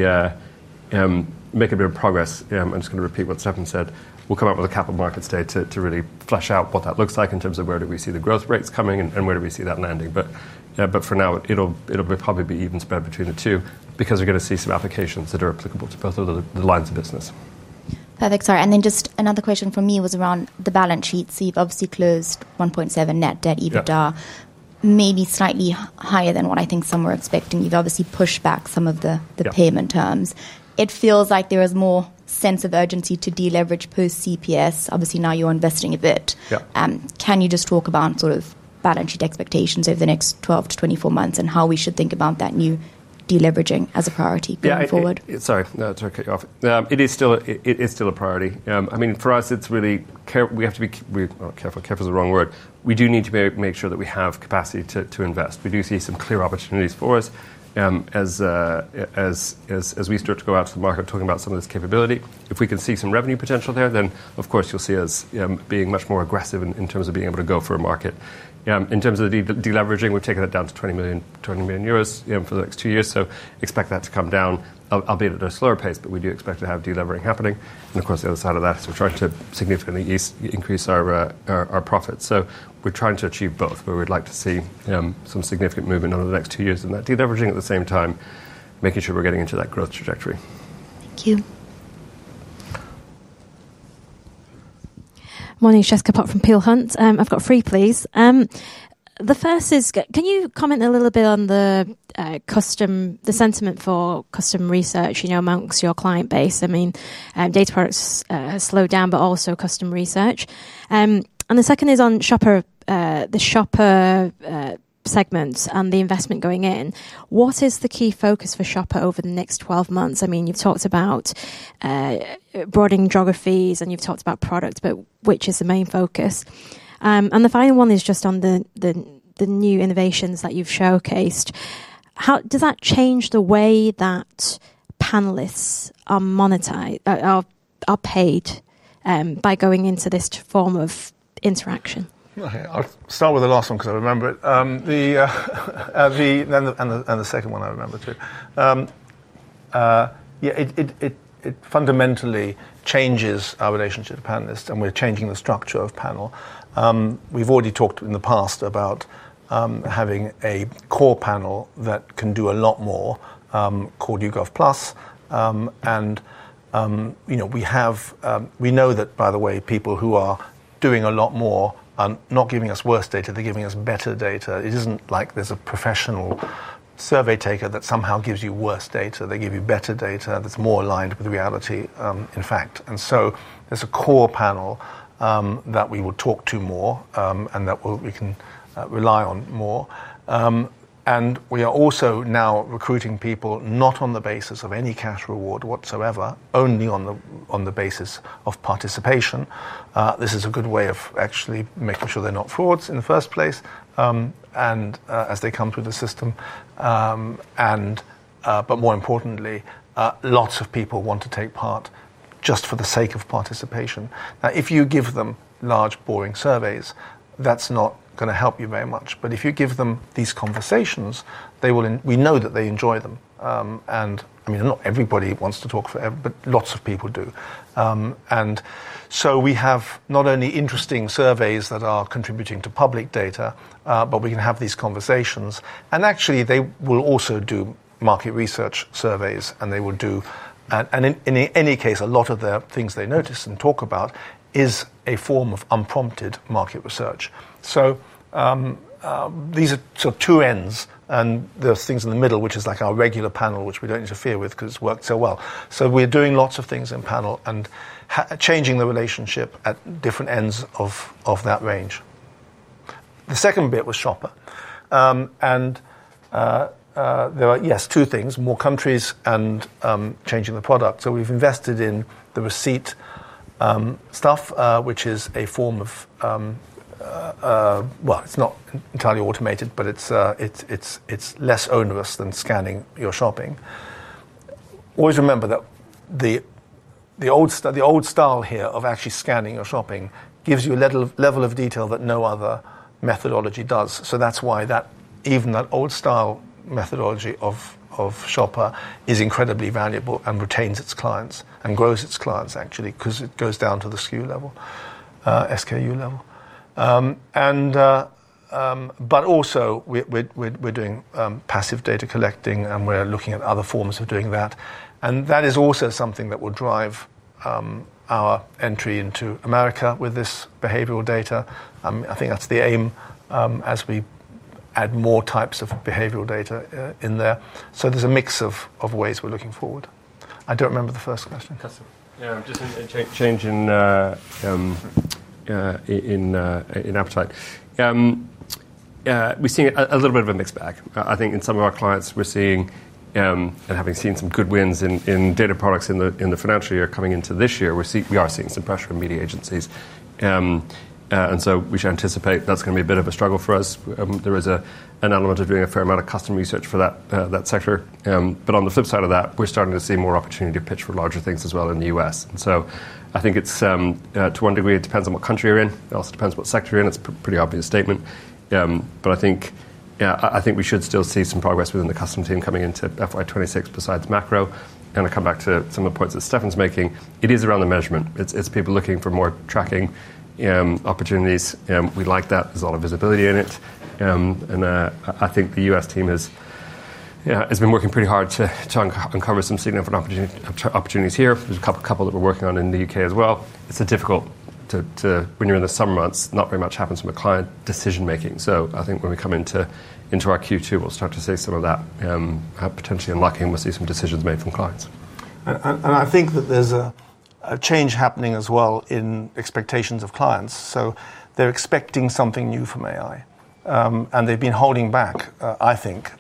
make a bit of progress, I'm just going to repeat what Stephan said. We'll come up with a Capital Markets Day to really flesh out what that looks like in terms of where we see the growth rates going, coming, and where we see that landing. For now, it'll probably be even spread between the two because we're going to see some applications that are applicable to both of the lines of business. Perfect. Sorry. Just another question from me was around the balance sheet. You've obviously closed at 1.7 net debt/EBITDA, maybe slightly higher than what I think some were expecting. You've obviously pushed back some of the payment terms. It feels like there is more sense of urgency to deleverage post-CPS. Obviously now you're investing a bit. Yeah. Can you just talk about sort of balance sheet expectations over the next 12 to 24 months and how we should think about that new deleveraging as a priority going forward? It is still a priority. I mean, for us, it's really, we have to be careful. Careful is the wrong word. We do need to make sure that we have capacity to invest. We do see some clear opportunities for us as we start to go out to the market talking about some of this capability. If we can see some revenue potential there, then of course you'll see us being much more aggressive in terms of being able to go for a market. In terms of deleveraging, we've taken it down to €20 million. €20 million for the next two years. Expect that to come down, albeit at a slower pace. We do expect to have deleveraging happening and on the other side of that, we're trying to significantly increase our profits. We're trying to achieve both where we'd like to see some significant movement over the next two years and that deleveraging at the same time making sure we're getting into that growth trajectory. Thank you. Morning. Jessica Pott from Peel Hunt. I've got three, please. The first is can you comment a little bit on the custom, the sentiment for custom research, you know, amongst your client base? I mean, data products slowed down, but also custom research. The second is on Shopper, the Shopper segments and the investment going in. What is the key focus for Shopper over the next 12 months? I mean, you've talked about broadening geographies and you've talked about products, but which is the main focus? The final one is just on the new innovations that you've showcased. How does that change the way that panelists are monetized, are paid by going into this form of interaction? I'll start with the last one because I remember it, and the second one I remember too. It fundamentally changes our relationship to panelists, and we're changing the structure of panel. We've already talked in the past about having a core panel that can do a lot more, called YouGov Plus. We know that, by the way, people who are doing a lot more are not giving us worse data, they're giving us better data. It isn't like there's a professional survey taker that somehow gives you worse data. They give you better data that's more aligned with reality, in fact. There is a core panel that we will talk to more and that we can rely on more. We are also now recruiting people not on the basis of any cash rewards whatsoever, only on the basis of participation. This is a good way of actually making sure they're not frauds in the first place as they come through the system. More importantly, lots of people want to take part just for the sake of participation. If you give them large, boring surveys, that's not going to help you very much. If you give them these conversations, they will. We know that they enjoy them. Not everybody wants to talk forever, but lots of people do. We have not only interesting surveys that are contributing to public data, but we can have these conversations. Actually, they will also do market research surveys. They will do. In any case, a lot of. The things they notice and talk about is a form of unprompted market research. These are sort of two ends, and there are things in the middle which is like our regular panel, which we don't interfere with because it's worked so well. We're doing lots of things in. Panel and changing the relationship at different ends of that range. The second bit was shopper, and there are, yes, two things, more countries and changing the product. We've invested in the receipt stuff, which is a form of, it's not entirely automated, but it's less onerous than scanning your shopping. Always remember that the old style here of actually scanning your shopping gives you a level of detail that no other methodology does. That's why even that old style methodology of shopper is incredibly valuable and retains its clients and grows its clients actually, because it goes down to the SKU level. But also we're doing passive data collecting and we're looking at other forms of doing that. That is also something that will drive our entry into America with this behavioral data. I think that's the aim as we add more types of behavioral data in there. There's a mix of ways we're looking forward. I don't remember the first question. In appetite, we're seeing a little bit of a mixed bag, I think, in some of our clients. We're seeing and having seen some good wins in data products in the financial year coming into this year. We are seeing some pressure in media agencies, and we should anticipate that's going to be a bit of a struggle for us. There is an element of doing a fair amount of custom research for that sector. On the flip side of that, we're starting to see more opportunity to pitch for larger things as well in the U.S. I think to one degree it depends on what country you're in. It also depends what sector, and it's a pretty obvious statement. I think we should still see some progress within the custom team coming into FY2026 besides macro, and to come back to some of the points that Stephan's making, it is around the measurement. It's people looking for more tracking opportunities. We like that there's a lot of visibility in IT, and I think the U.S. team has been working pretty hard to uncover some significant opportunities here. There's a couple that we're working on in the UK as well. It's difficult when you're in the summer months; not very much happens with client decision making. I think when we come into our Q2, we'll start to see some of that potentially unlock, and we'll see some decisions made from clients. I think that there's a change. Happening as well in expectations of clients. They're expecting something new from AI, and they've been holding back, I think.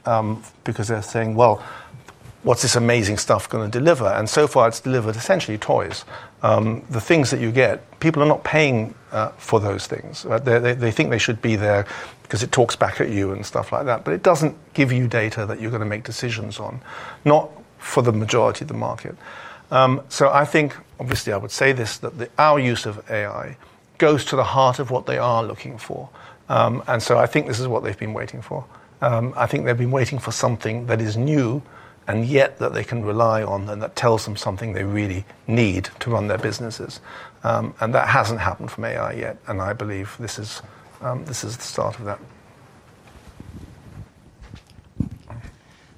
Because they're saying, what's this amazing. Stuff going to deliver? So far, it's delivered essentially toys, the things that you get. People are not paying for those things. They think they should be there because it talks back at you and stuff like that, but it doesn't give you data that you're going to make decisions on, not for the majority of the market. I think, obviously I would say this, that our use of AI goes to the heart of what they are looking for. I think this is what they've been waiting for. I think they've been waiting for something that is new and yet that they can rely on and that tells them something they really need to run their businesses. That hasn't happened from AI yet. I believe this is the start of that.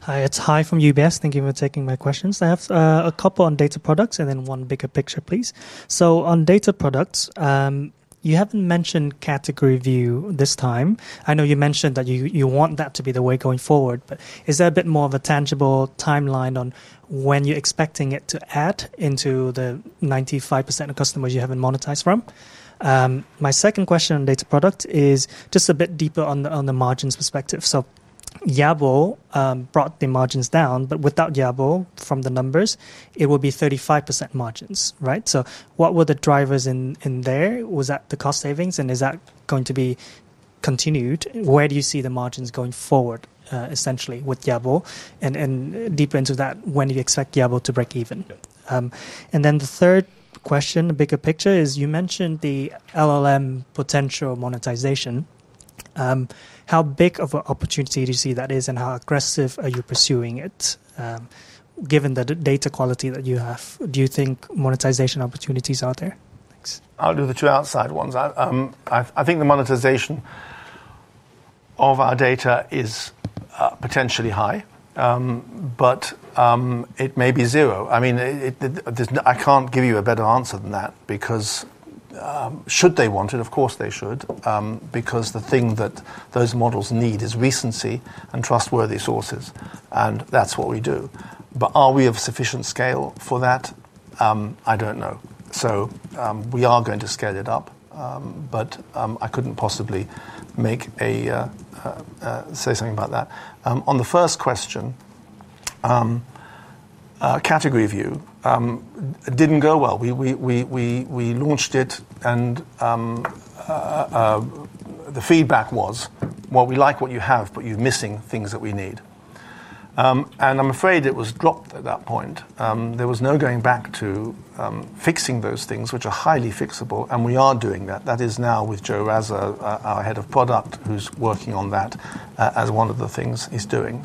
Hi, it's Hai from UBS. Thank you for taking my questions. I have a couple on data products and then one bigger picture, please. On data products, you haven't mentioned category view this time. I know you mentioned that you want that to be the way going forward, but is there a bit more of a tangible timeline on when you're expecting it to add into the 95% of customers you haven't monetized from? My second question on data products is just a bit deeper on the margins perspective. Yabble brought the margins down, but without Yabble, from the numbers, it would be 35% margins, right. What were the drivers in there? Was that the cost savings and is that going to be continued? Where do you see the margins going forward? Essentially with Yabble, and deep into that, when do you expect Yabble to break even? The third question, the bigger picture, is you mentioned the LLM potential monetization. How big of an opportunity do you see that is and how aggressive are you pursuing it, given the data quality that you have? Do you think monetization opportunities are there? I'll do the two outside ones. I think the monetization of our data is potentially high, but it may be zero. I can't give you a. Better answer than that because should they want it? Of course they should, because the thing that those models need is recency and trustworthy sources. That's what we do. Are we of sufficient scale for that? I don't know. We are going to scale it up, but I couldn't possibly say something about that on the first question. Category view didn't go well. We launched it and the feedback was, we like what you have, but you're missing things that we need. I'm afraid it was dropped at that point. There was no going back to fixing those things which are highly fixed. We are doing that. That is now with Joe Razza, our Head of Product, who's working on that as one of the things he's doing.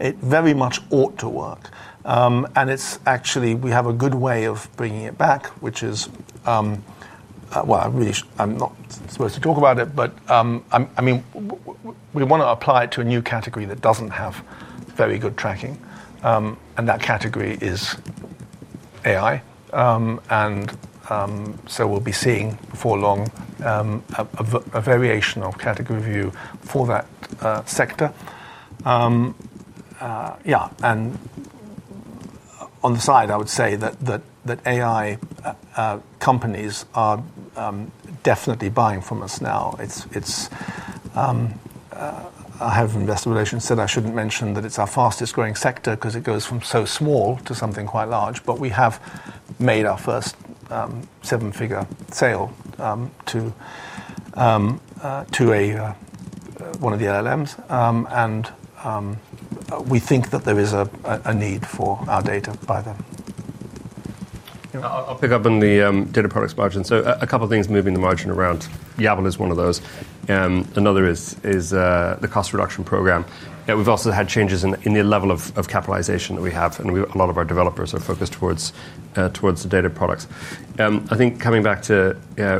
It very much ought to work and actually we have a good way of bringing it back, which is, I'm not supposed to talk about it, but I mean we want. To apply it to a new category. That doesn't have very good tracking, and that category is AI, so we'll be seeing before long a variation of category view for that sector. I would say that AI companies are definitely buying from us now. I have investor relations said I shouldn't mention that it's our fastest growing sector because it goes from so small to something quite large. We have made our first seven-figure sale to one of the LLMs, and we think that there is a need for our data by then. I'll pick up on the data products margin. A couple of things moving the margin around, Yabble is one of those. Another is the cost reduction program. We've also had changes in the level of capitalization that we have, and a lot of our developers are focused towards the data products. I think coming back to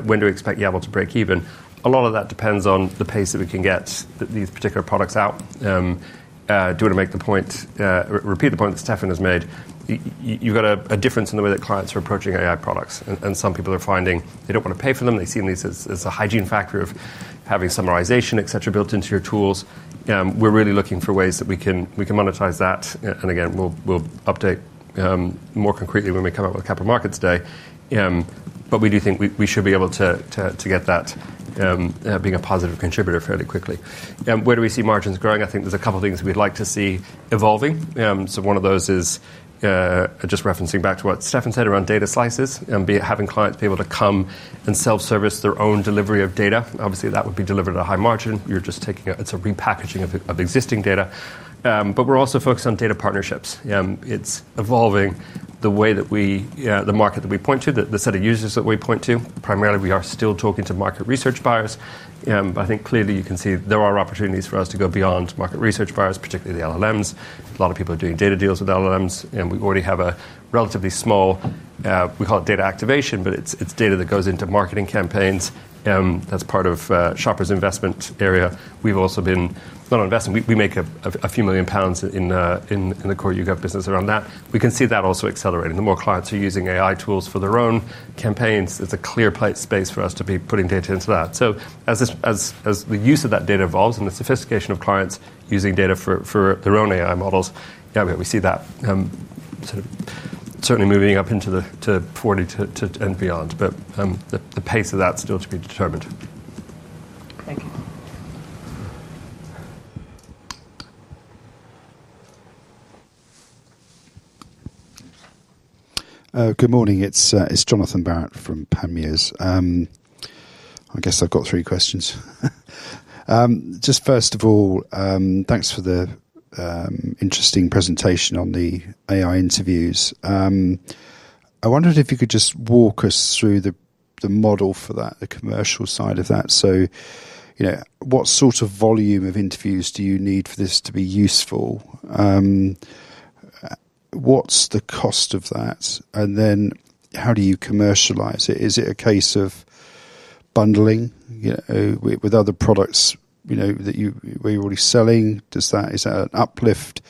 when do we expect Yabble to break even, a lot of that depends on the pace that we can get these particular products out. I want to make the point, repeat the point that Stephan has made. You've got a difference in the way that clients are approaching AI products, and some people are finding they don't want to pay for them. They see this as a hygiene factor of having summarization, etc., built into your tools. We're really looking for ways that we can monetize that, and again, we'll update more concretely when we come up with Capital Markets Day, but we do think we should be able to get that being a positive contributor fairly quickly. Where do we see margins growing? I think there's a couple of things we'd like to see evolving. One of those is just referencing back to what Stephan said around data slices, having clients be able to come and self-service their own delivery of data. Obviously, that would be delivered at a high margin. It's a repackaging of existing data, but we're also focused on data partnerships. It's evolving the way that we, the market that we point to, the set of users that we point to. Primarily, we are still talking to market research buyers. I think clearly you can see there are opportunities for us to go beyond market research buyers, particularly the LMs. A lot of people are doing data deals with LMs, and we already have a relatively small, we call it data activation, but it's data that goes into marketing campaigns. That's part of Shopper's investment area. We've also been not investing. We make a few million pounds in the core YouGov business around that. We can see that also accelerating the more clients are using AI tools for their own campaigns. It's a clear space for us to be putting data into that. As the use of that data evolves and the sophistication of clients using data for their own AI models, we see that certainly moving up into 40% and beyond, but the pace of that is still to be determined. Thank you. Good morning, it's Jonathan Barrett from Panmiers. I guess I've got three questions. First of all, thanks for the interesting presentation on the AI interviews. I wondered if you could just walk us through the model for that, the commercial side of that. What sort of volume of interviews do you need for this to be useful? What's the cost of that? How do you commercialize it? Is it a case of bundling with other products that you were already selling? Is that an uplift?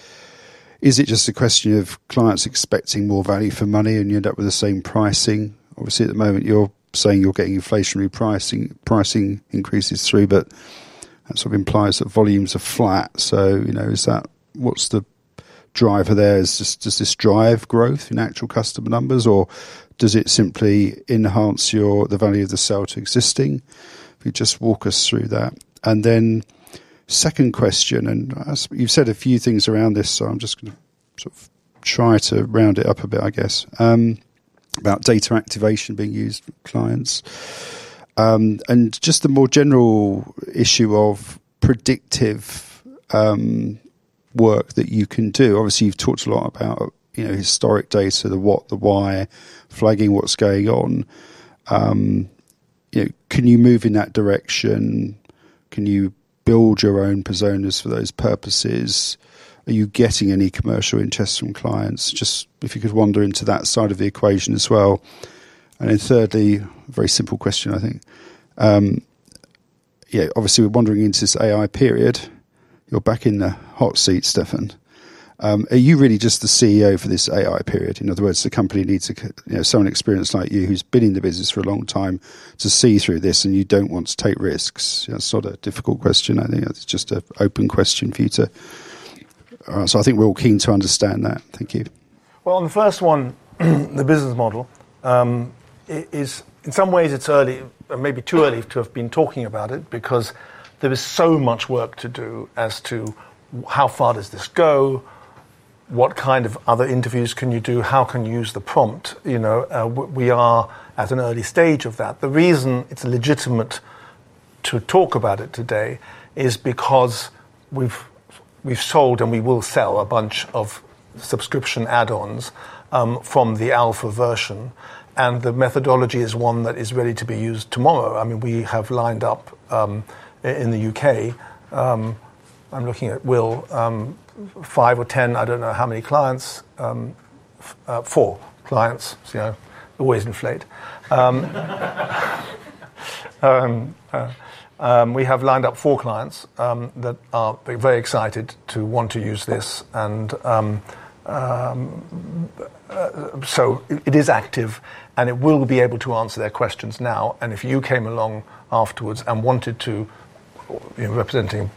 Is it just a question of clients expecting more value for money and you end up with the same pricing? Obviously at the moment you're saying you're getting inflationary price increases through, but that sort of implies that volumes are flat. Is that what's the driver there? Does this drive growth in actual customer numbers or does it simply enhance the value of the sale to existing? If you just walk us through that. Second question, you've said a few things around this so I'm just going to try to round it up a bit about data activation being used clients and the more general issue of predictive work that you can do. Obviously you've talked a lot about historic data, the what, the why, flagging, what's going on. You know, can. You move in that direction? Can you build your own Personas for those purposes? Are you getting any commercial interest from clients? If you could wander into that side of the equation as well. Thirdly, very simple question. I Think. Yeah, obviously we're wandering into this AI period. You're back in the hot seat, Stephan. Are you really just the CEO for this AI period? In other words, the company needs someone experienced like you, who's been in the business for a long time to see through this and you don't want to take risks. That's sort of a difficult question. I think it's just an open question for you too. I think we're all keen to understand that. Thank you. On the first one, the business model, in some ways it's early, maybe. Too early to have been talking about. It is because there is so much work to do as to how far does this go? What kind of other interviews can you do? How can you use the prompt? You know we are at an early stage of that. The reason it's legitimate to talk about it today is because we've sold and we will sell a bunch of subscription add-ons from the alpha version, and the methodology is one that is ready to be used tomorrow. I mean we have lined up in the UK, I'm looking at, will 5 or 10, I don't know how many clients, four clients always inflate. We have lined up four clients that are very excited to want to use this, and it is active and it will be able to answer their questions now. If you came along afterwards and wanted to, representing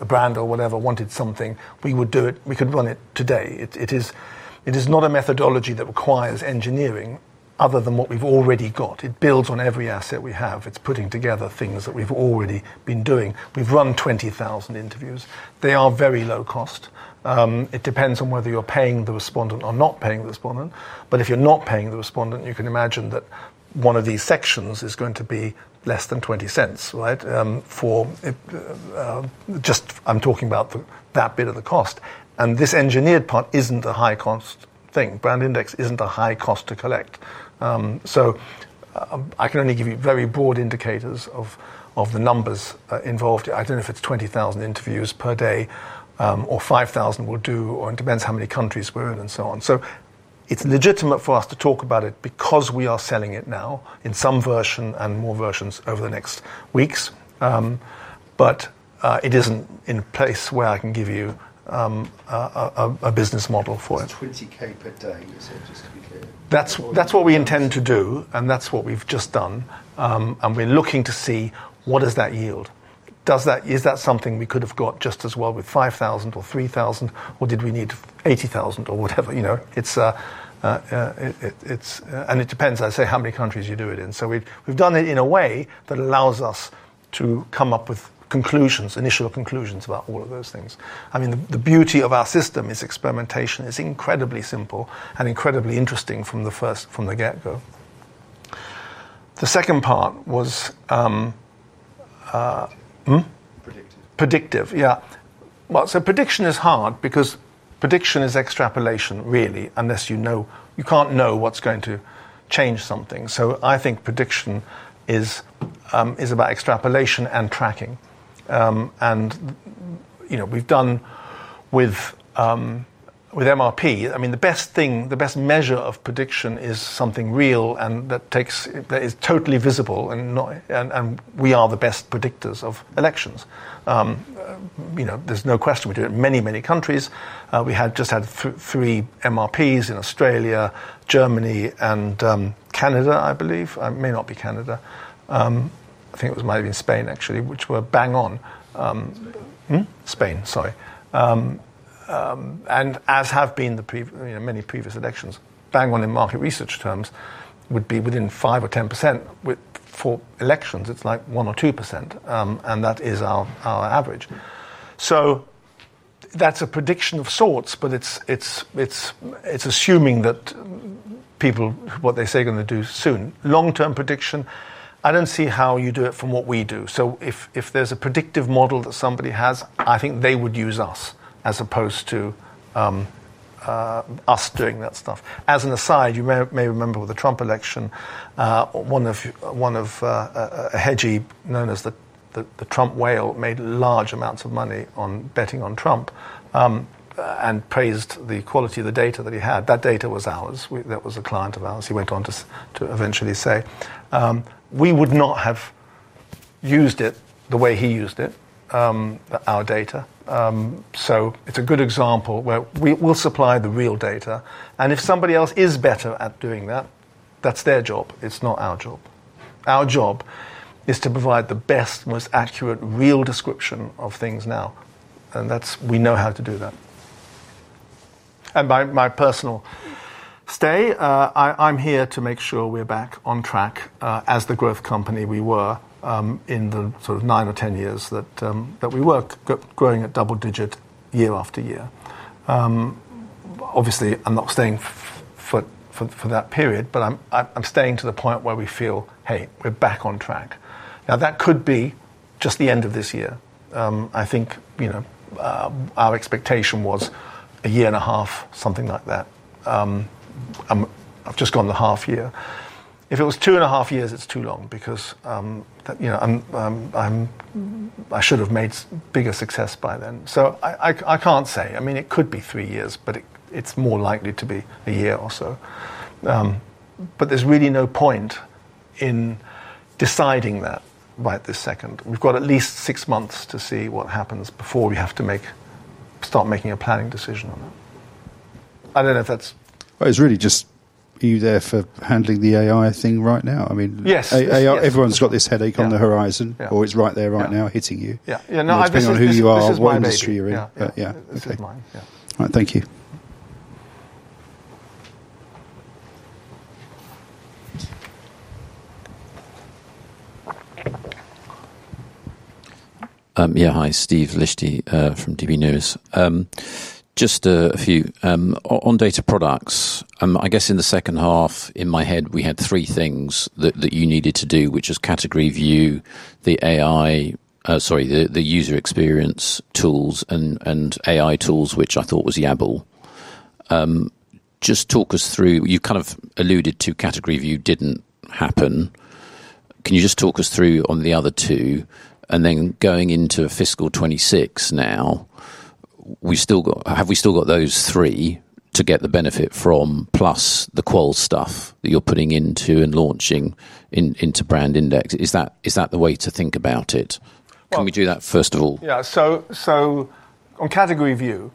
a brand or whatever, wanted something, we would do it, we could run it today. It is not a methodology that requires engineering other than what we've already got. It builds on every asset we have. It's putting together things that we've already been doing. We've run 20,000 interviews. They are very low cost. It depends on whether you're paying the respondent or not paying the respondent. If you're not paying the respondent, you can imagine that one of these sections is going to be less than $0.20. Right. For just, I'm talking about that bit of the cost. This engineered part isn't a high cost thing. BrandIndex isn't a high cost to collect. I can only give you very broad indicators of the numbers involved. I don't know if it's 20,000 interviews per day or 5,000 will do, or it depends how many countries we're in and so on. It's legitimate for us to talk. About it because we are selling it now in some version, and more versions over the next weeks. It isn't in plenty of place where I can give you a business model for it. $20,000 per day. Just to be clear, that's what we intend to do and that's what we've just done, and we're looking to see what does that yield. Is that something we could have got just as well with 5,000 or 3,000, or did we need 80,000 or whatever? It depends, I say, how many countries you do it in. We've done it in a way that allows us to come up with conclusions, initial conclusions about all of those things. The beauty of our system. Experimentation is incredibly simple and incredibly interesting from the get go. The second part was. Predictive. Predictive, yeah. Prediction is hard because prediction is extrapolation really. Unless you know, you can't know what's going to happen, change something. I think prediction is about extrapolation and tracking, and you know, we've done with MRP. I mean the best thing, the best. Measure of prediction is something real and that is totally visible. We are the best predictors of elections. There's no question we do. It is in many, many countries. We had just had three MRPs in Australia, Germany, and Spain, which were bang on. As have been the many previous elections, bang on in market research terms would be within 5% or 10%. For elections, it's like 1% or 2%, and that is our average. That's a prediction of sorts, but it's assuming that people, what they say, are going to do soon. Long-term prediction, I don't see how you do it from what we do. If there's a predictive model that somebody has, I think they would use us as opposed to us doing that stuff. As an aside, you may remember with the Trump election, one of the hedgeys known as the Trump whale made large amounts of money on betting on Trump and praised the quality of the data that he had. That data was ours, that was a client of ours. He went on to eventually say we would not have used it the way he used it, our data. It's a good example where we'll supply the real data, and if somebody else is better at doing that, that's their job. It's not our job. Our job is to provide the best, most accurate real description of things now, and we know how to do that. By my personal stay, I'm here to make sure we're back on track as the growth company we were in the sort of nine or ten years that we were growing at double digit year after year. Obviously, I'm not staying for that period, but I'm staying to the point where we feel, hey, we're back on track now. That could be just the end of this year. I think our expectation was a year and a half, something like that. I've just gone the half year. If it was two and a half years, it's too long because I should have made bigger success by then. I can't say. I mean, it could be three years, but it's more likely to be a year or so. There's really no point in deciding that right this second. We've got at least six months to see what happens before we have to start making a planning decision on that. I don't know if that's. Are you there for handling the AI thing right now? I mean. Yes. Everyone's got this headache on the horizon, or it's right there right now hitting you? Yeah. No, I just. Depending on who you are, what industry you're in. All right, thank you. Yeah. Hi. Steve Lishti from DB News. Just a few on data products. I guess in the second half, in my head we had three things that you needed to do, which is Category View, the AI, the user experience tools, and AI tools, which I thought was Yabble. Just talk us through. You kind of alluded to Category View didn't happen. Can you just talk us through on the other two? Then going into fiscal 2026 now, have we still got those three to get the benefit from, plus the qual stuff that you're putting into and launching into BrandIndex? Is that the way to think about it? Can we do that first of all? Yeah, on Category View,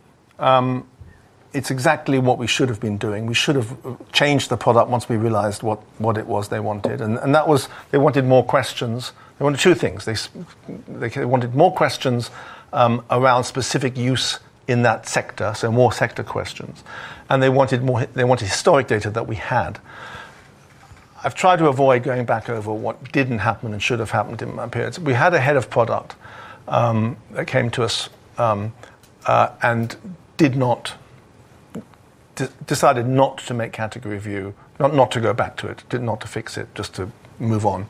it's exactly what we should have been doing. We should have changed the product once we realized what it was they wanted. They wanted more questions. They wanted two things. They wanted more questions around specific. Use in that sector. were more sector questions and they wanted more. They wanted historical data that we had. I've tried to avoid going back over what didn't happen and should have happened in my periods. We had a Head of Product that came to us and decided not to make Category View, not to go back to it, not to fix it, just to move on.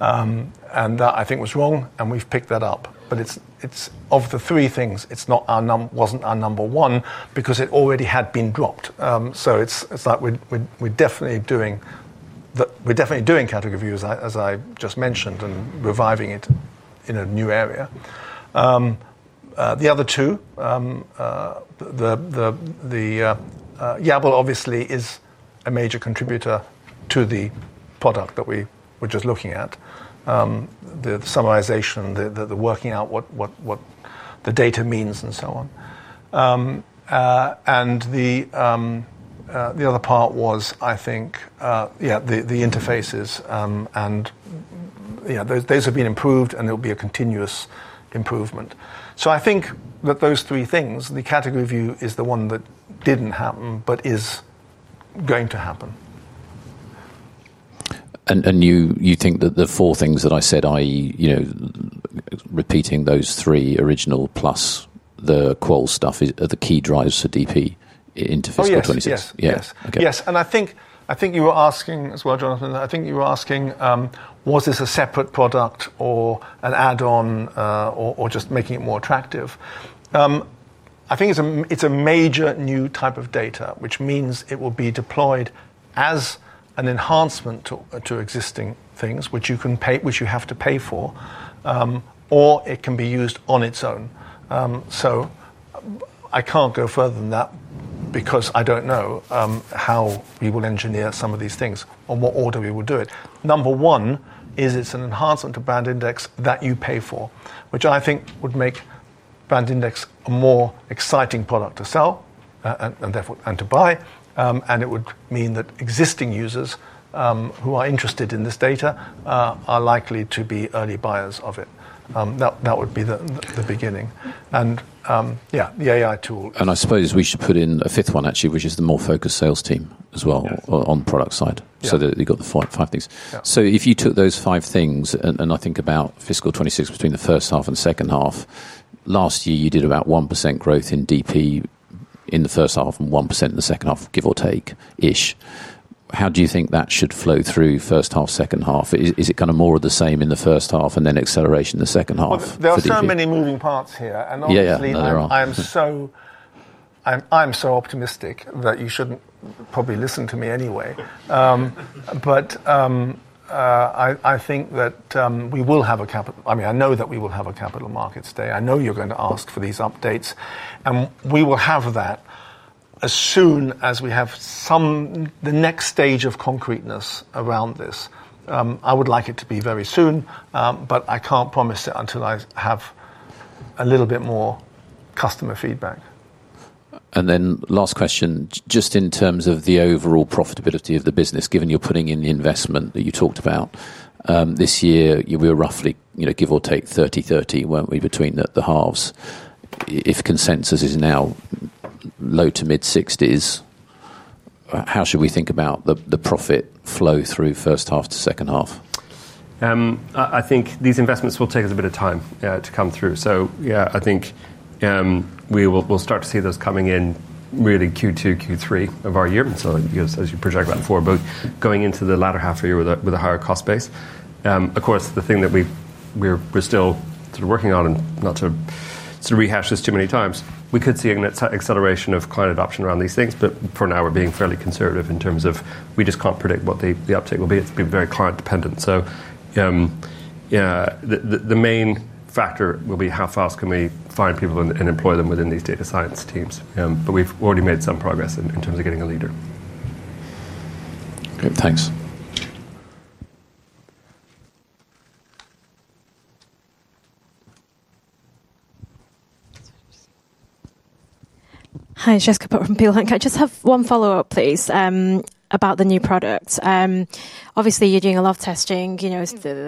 I think that was wrong. We've picked that up. Of the three things, it's not our number one because it already had been dropped. We're definitely doing Category views, as I just mentioned, and reviving it in a new area. The other two. Yabble obviously is a major contributor to the product that we were just looking at, the summarization, the working out what the data means, and so on. The other part was, I think, the interfaces, and those have been improved, and there will be continuous improvement. I think that those three things, the category view is the one that didn't happen but is going to happen. Do you think that the four things that I said, that is repeating those three original plus the qual stuff, are the key drives for DP into fiscal 2026? Yes, yes. I think you were asking as. Jonathan, I think you were asking was this a separate product or an add-on or just making it more attractive. I think it's a major new type of data, which means it will be deployed as an enhancement to existing things which you can pay for, or it can be used on its own. I can't go further than that because I don't know how we will engineer some of these things or what order we will do it. Number one is it's an enhancement to BrandIndex that you pay for, which I think would make BrandIndex a more exciting product to sell and to buy. It would mean that existing users who are interested in this data are likely to be early buyers of it. That would be the beginning, and yeah. The AI tool, and I suppose we should put in a fifth one actually, which is the more focused sales team as well on the product side. You've got the five things. If you took those five things and I think about fiscal 2026, between the first half and second half last year, you did about 1% growth in DP in the first half and 1% in the second half, give or take. How do you think that should flow through first half, second half? Is it kind of more of the same in the first half and then acceleration in the second half? There are so many moving parts here. I'm so optimistic that you shouldn't probably listen to me anyway. I think that we will have a Capital Markets Day. I know you're going to ask for these updates and we will have that as soon as we have the next stage of concreteness around this. I would like it to be very soon, but I can't promise it until I have a little bit more customer feedback. The last question, just in terms of the overall profitability, profitability of the business, given you're putting in the investment that you talked about this year, you will roughly give or take £30 million when we between the halves, if consensus is now low to mid-60s, how should we think about the profit flow through first half to second half? I think these investments will take us a bit of time to come through. I think we will start to see those coming in, really, Q2, Q3 of our year. As you project that for both going into the latter half year with a higher cost base, of course, the thing that we're still working on, and not to rehash this too many times, we could see an acceleration of client adoption around these things. For now we're being fairly conservative in terms of we just can't predict what the uptake will be. It's been very client dependent, so the main factor will be how fast can we find people and employ them within these data science teams. We've already made some progress in terms of getting a leader. Thanks. Hi, it's Jessica from Peel Hunt. Can I just have one follow up, please? About the new products, obviously you're doing a lot of testing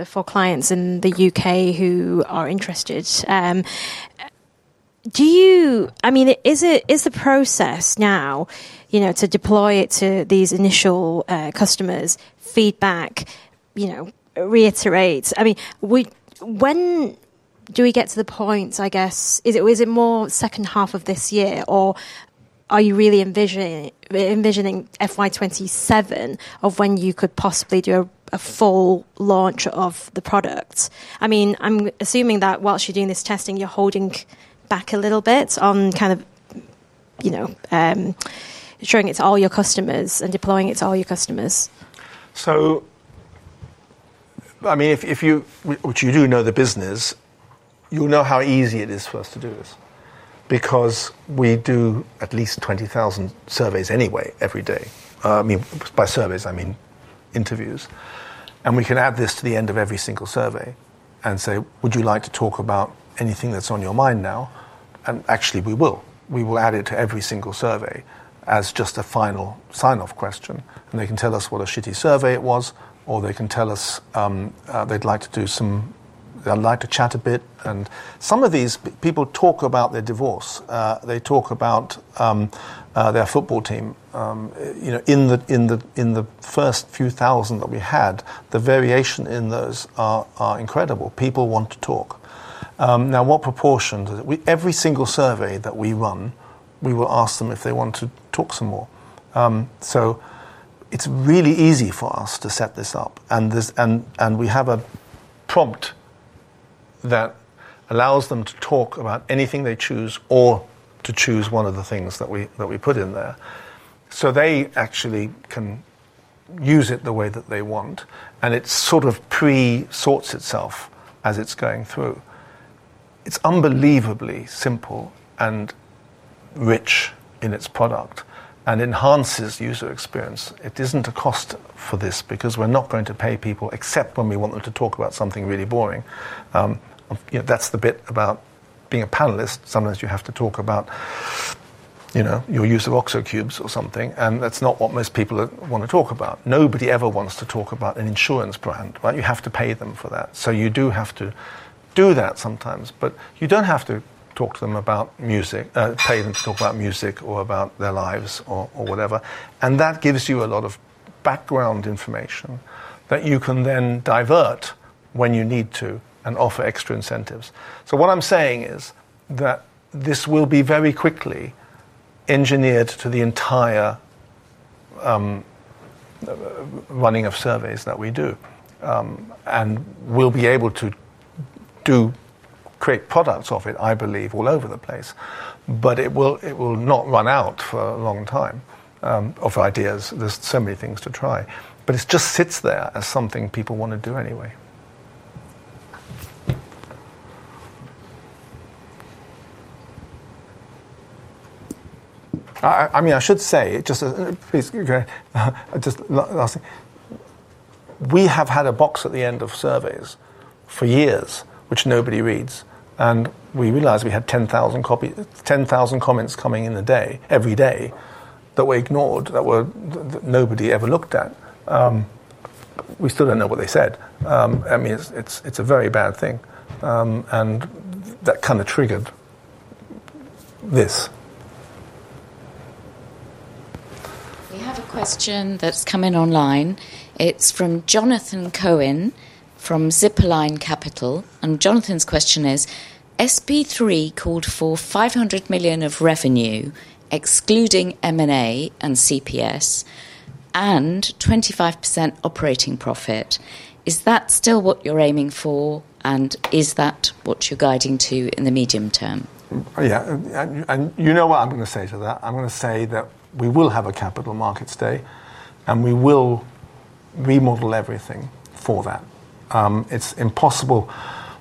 for clients in the UK who are interested. Is the process now to deploy it to these initial customers, get feedback, reiterate? When do we get to the point, I guess, is it more second half of this year or are you really envisioning FY2027 of when you could possibly do a full launch of the products? I'm assuming that whilst you're doing this testing, you're holding back a little bit on kind of ensuring it's all your customers and deploying it to all your customers. If you, which you do know the business, you'll know how. Easy it is for us to do. This is because we do at least 20,000 surveys anyway every day. By surveys I mean interviews. We can add this to the end of every single survey and say, would you like to talk about anything that's on your mind now? We will add it to every single survey as just a final sign-off question and they can tell us what a shitty survey it was or they can tell us they'd like to do some. I'd like to chat a bit. Some of these people talk about their divorce, they talk about their football team. In the first few thousand that we had, the variation in those are incredible. People want to talk now. What proportion? Every single survey that we run, we will ask them if they want to talk some more. It's really easy for us to set this up. We have a prompt that allows them to talk about anything they choose or to choose one of the things that we put in there so they actually can use it the way that they want. It sort of pre-sorts itself as it's going through. It's unbelievably simple and rich in its product and enhances user experience. It isn't a cost for this because we're not going to pay people except when we want them to talk about something really boring. That's the bit about being a panelist. Sometimes you have to talk about your use of OXO cubes or something, and that's not what most people want to talk about. Nobody ever wants to talk about an insurance brand. You have to pay them for that. You do have to do that sometimes. You don't have to pay them to talk about music or about their lives or whatever. That gives you a lot of background information that you can then divert when you need to and offer extra incentives. What I'm saying is that this will be very quickly engineered to the. Entire. Running of surveys that we do, and we'll be able to do, create products of it, I believe, all over the place. It will not run out for a long time of ideas. There are so many things to try, but it just sits there as something people want to do anyway. I should say just. Last thing, we have had a box at the end of surveys for years which nobody reads. We realized we had 10,000 comments coming in a day, every day that were ignored, that nobody ever looked at. We still don't know what they said. I mean, it's a very bad thing. That kind of triggered this. I have a question that's come in online. It's from Jonathan Cohen from Zipline Capital. Jonathan's question is SP3 called for $500 million of revenue, excluding M&A and CPS, and 25% operating profit. Is that still what you're aiming for, and is that what you're guiding to in the medium term? Yeah. You know what I'm going to say to that? I'm going to say that we will have a Capital Markets Day and we will remodel everything for that. It's impossible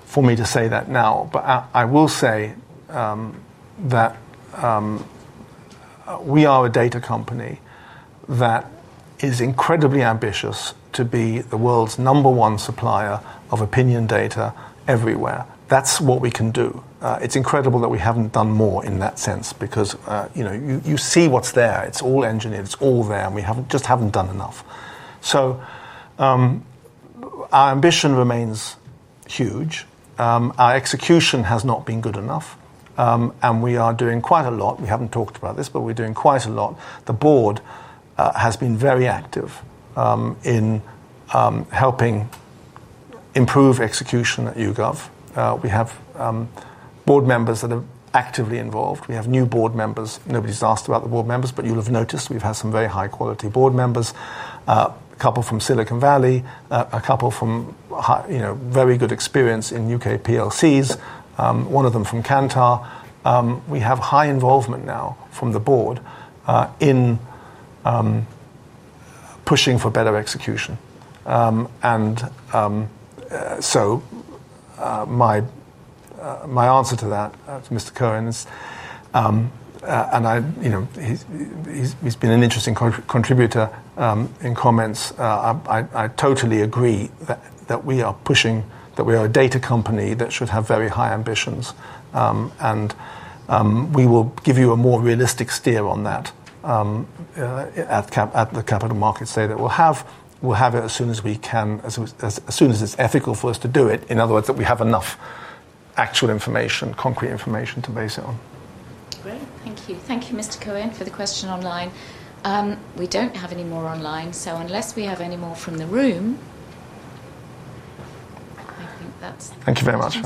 for me to say that now, but I will say that we are a data company that is incredibly ambitious to be the world's number one supplier of opinion data everywhere. That's what we can do. It's incredible that we haven't done more in that sense because you see what's there. It's all engineered, it's all there and we just haven't done enough. Our ambition remains huge. Our execution has not been good enough and we are doing quite a lot. We haven't talked about this, but we're doing quite a lot. The board has been very active in helping improve execution at YouGov. We have board members that are actively involved. We have new board members. Nobody's asked about the board members, but you'll have noticed we've had some very high quality board members. A couple from Silicon Valley, a couple from very good experience in UK PLCs, one of them from Kantar. We have high involvement now from the board in pushing for better execution. My answer to that to Mr. Cohen's, and he's been an interesting contributor in comments. I totally agree that we are pushing that. We are a data company that should have very high ambitions and we will give you a more realistic steer on. That. At the Capital Markets Day that we'll have, we'll have it as soon as we can, as soon as it's ethical for us to do it. In other words, that we have enough actual information, concrete information, to base it on. Great, thank you. Thank you, Mr. Cohen, for the question online. We don't have any more online, so unless we have any more from the room. Thank you very much.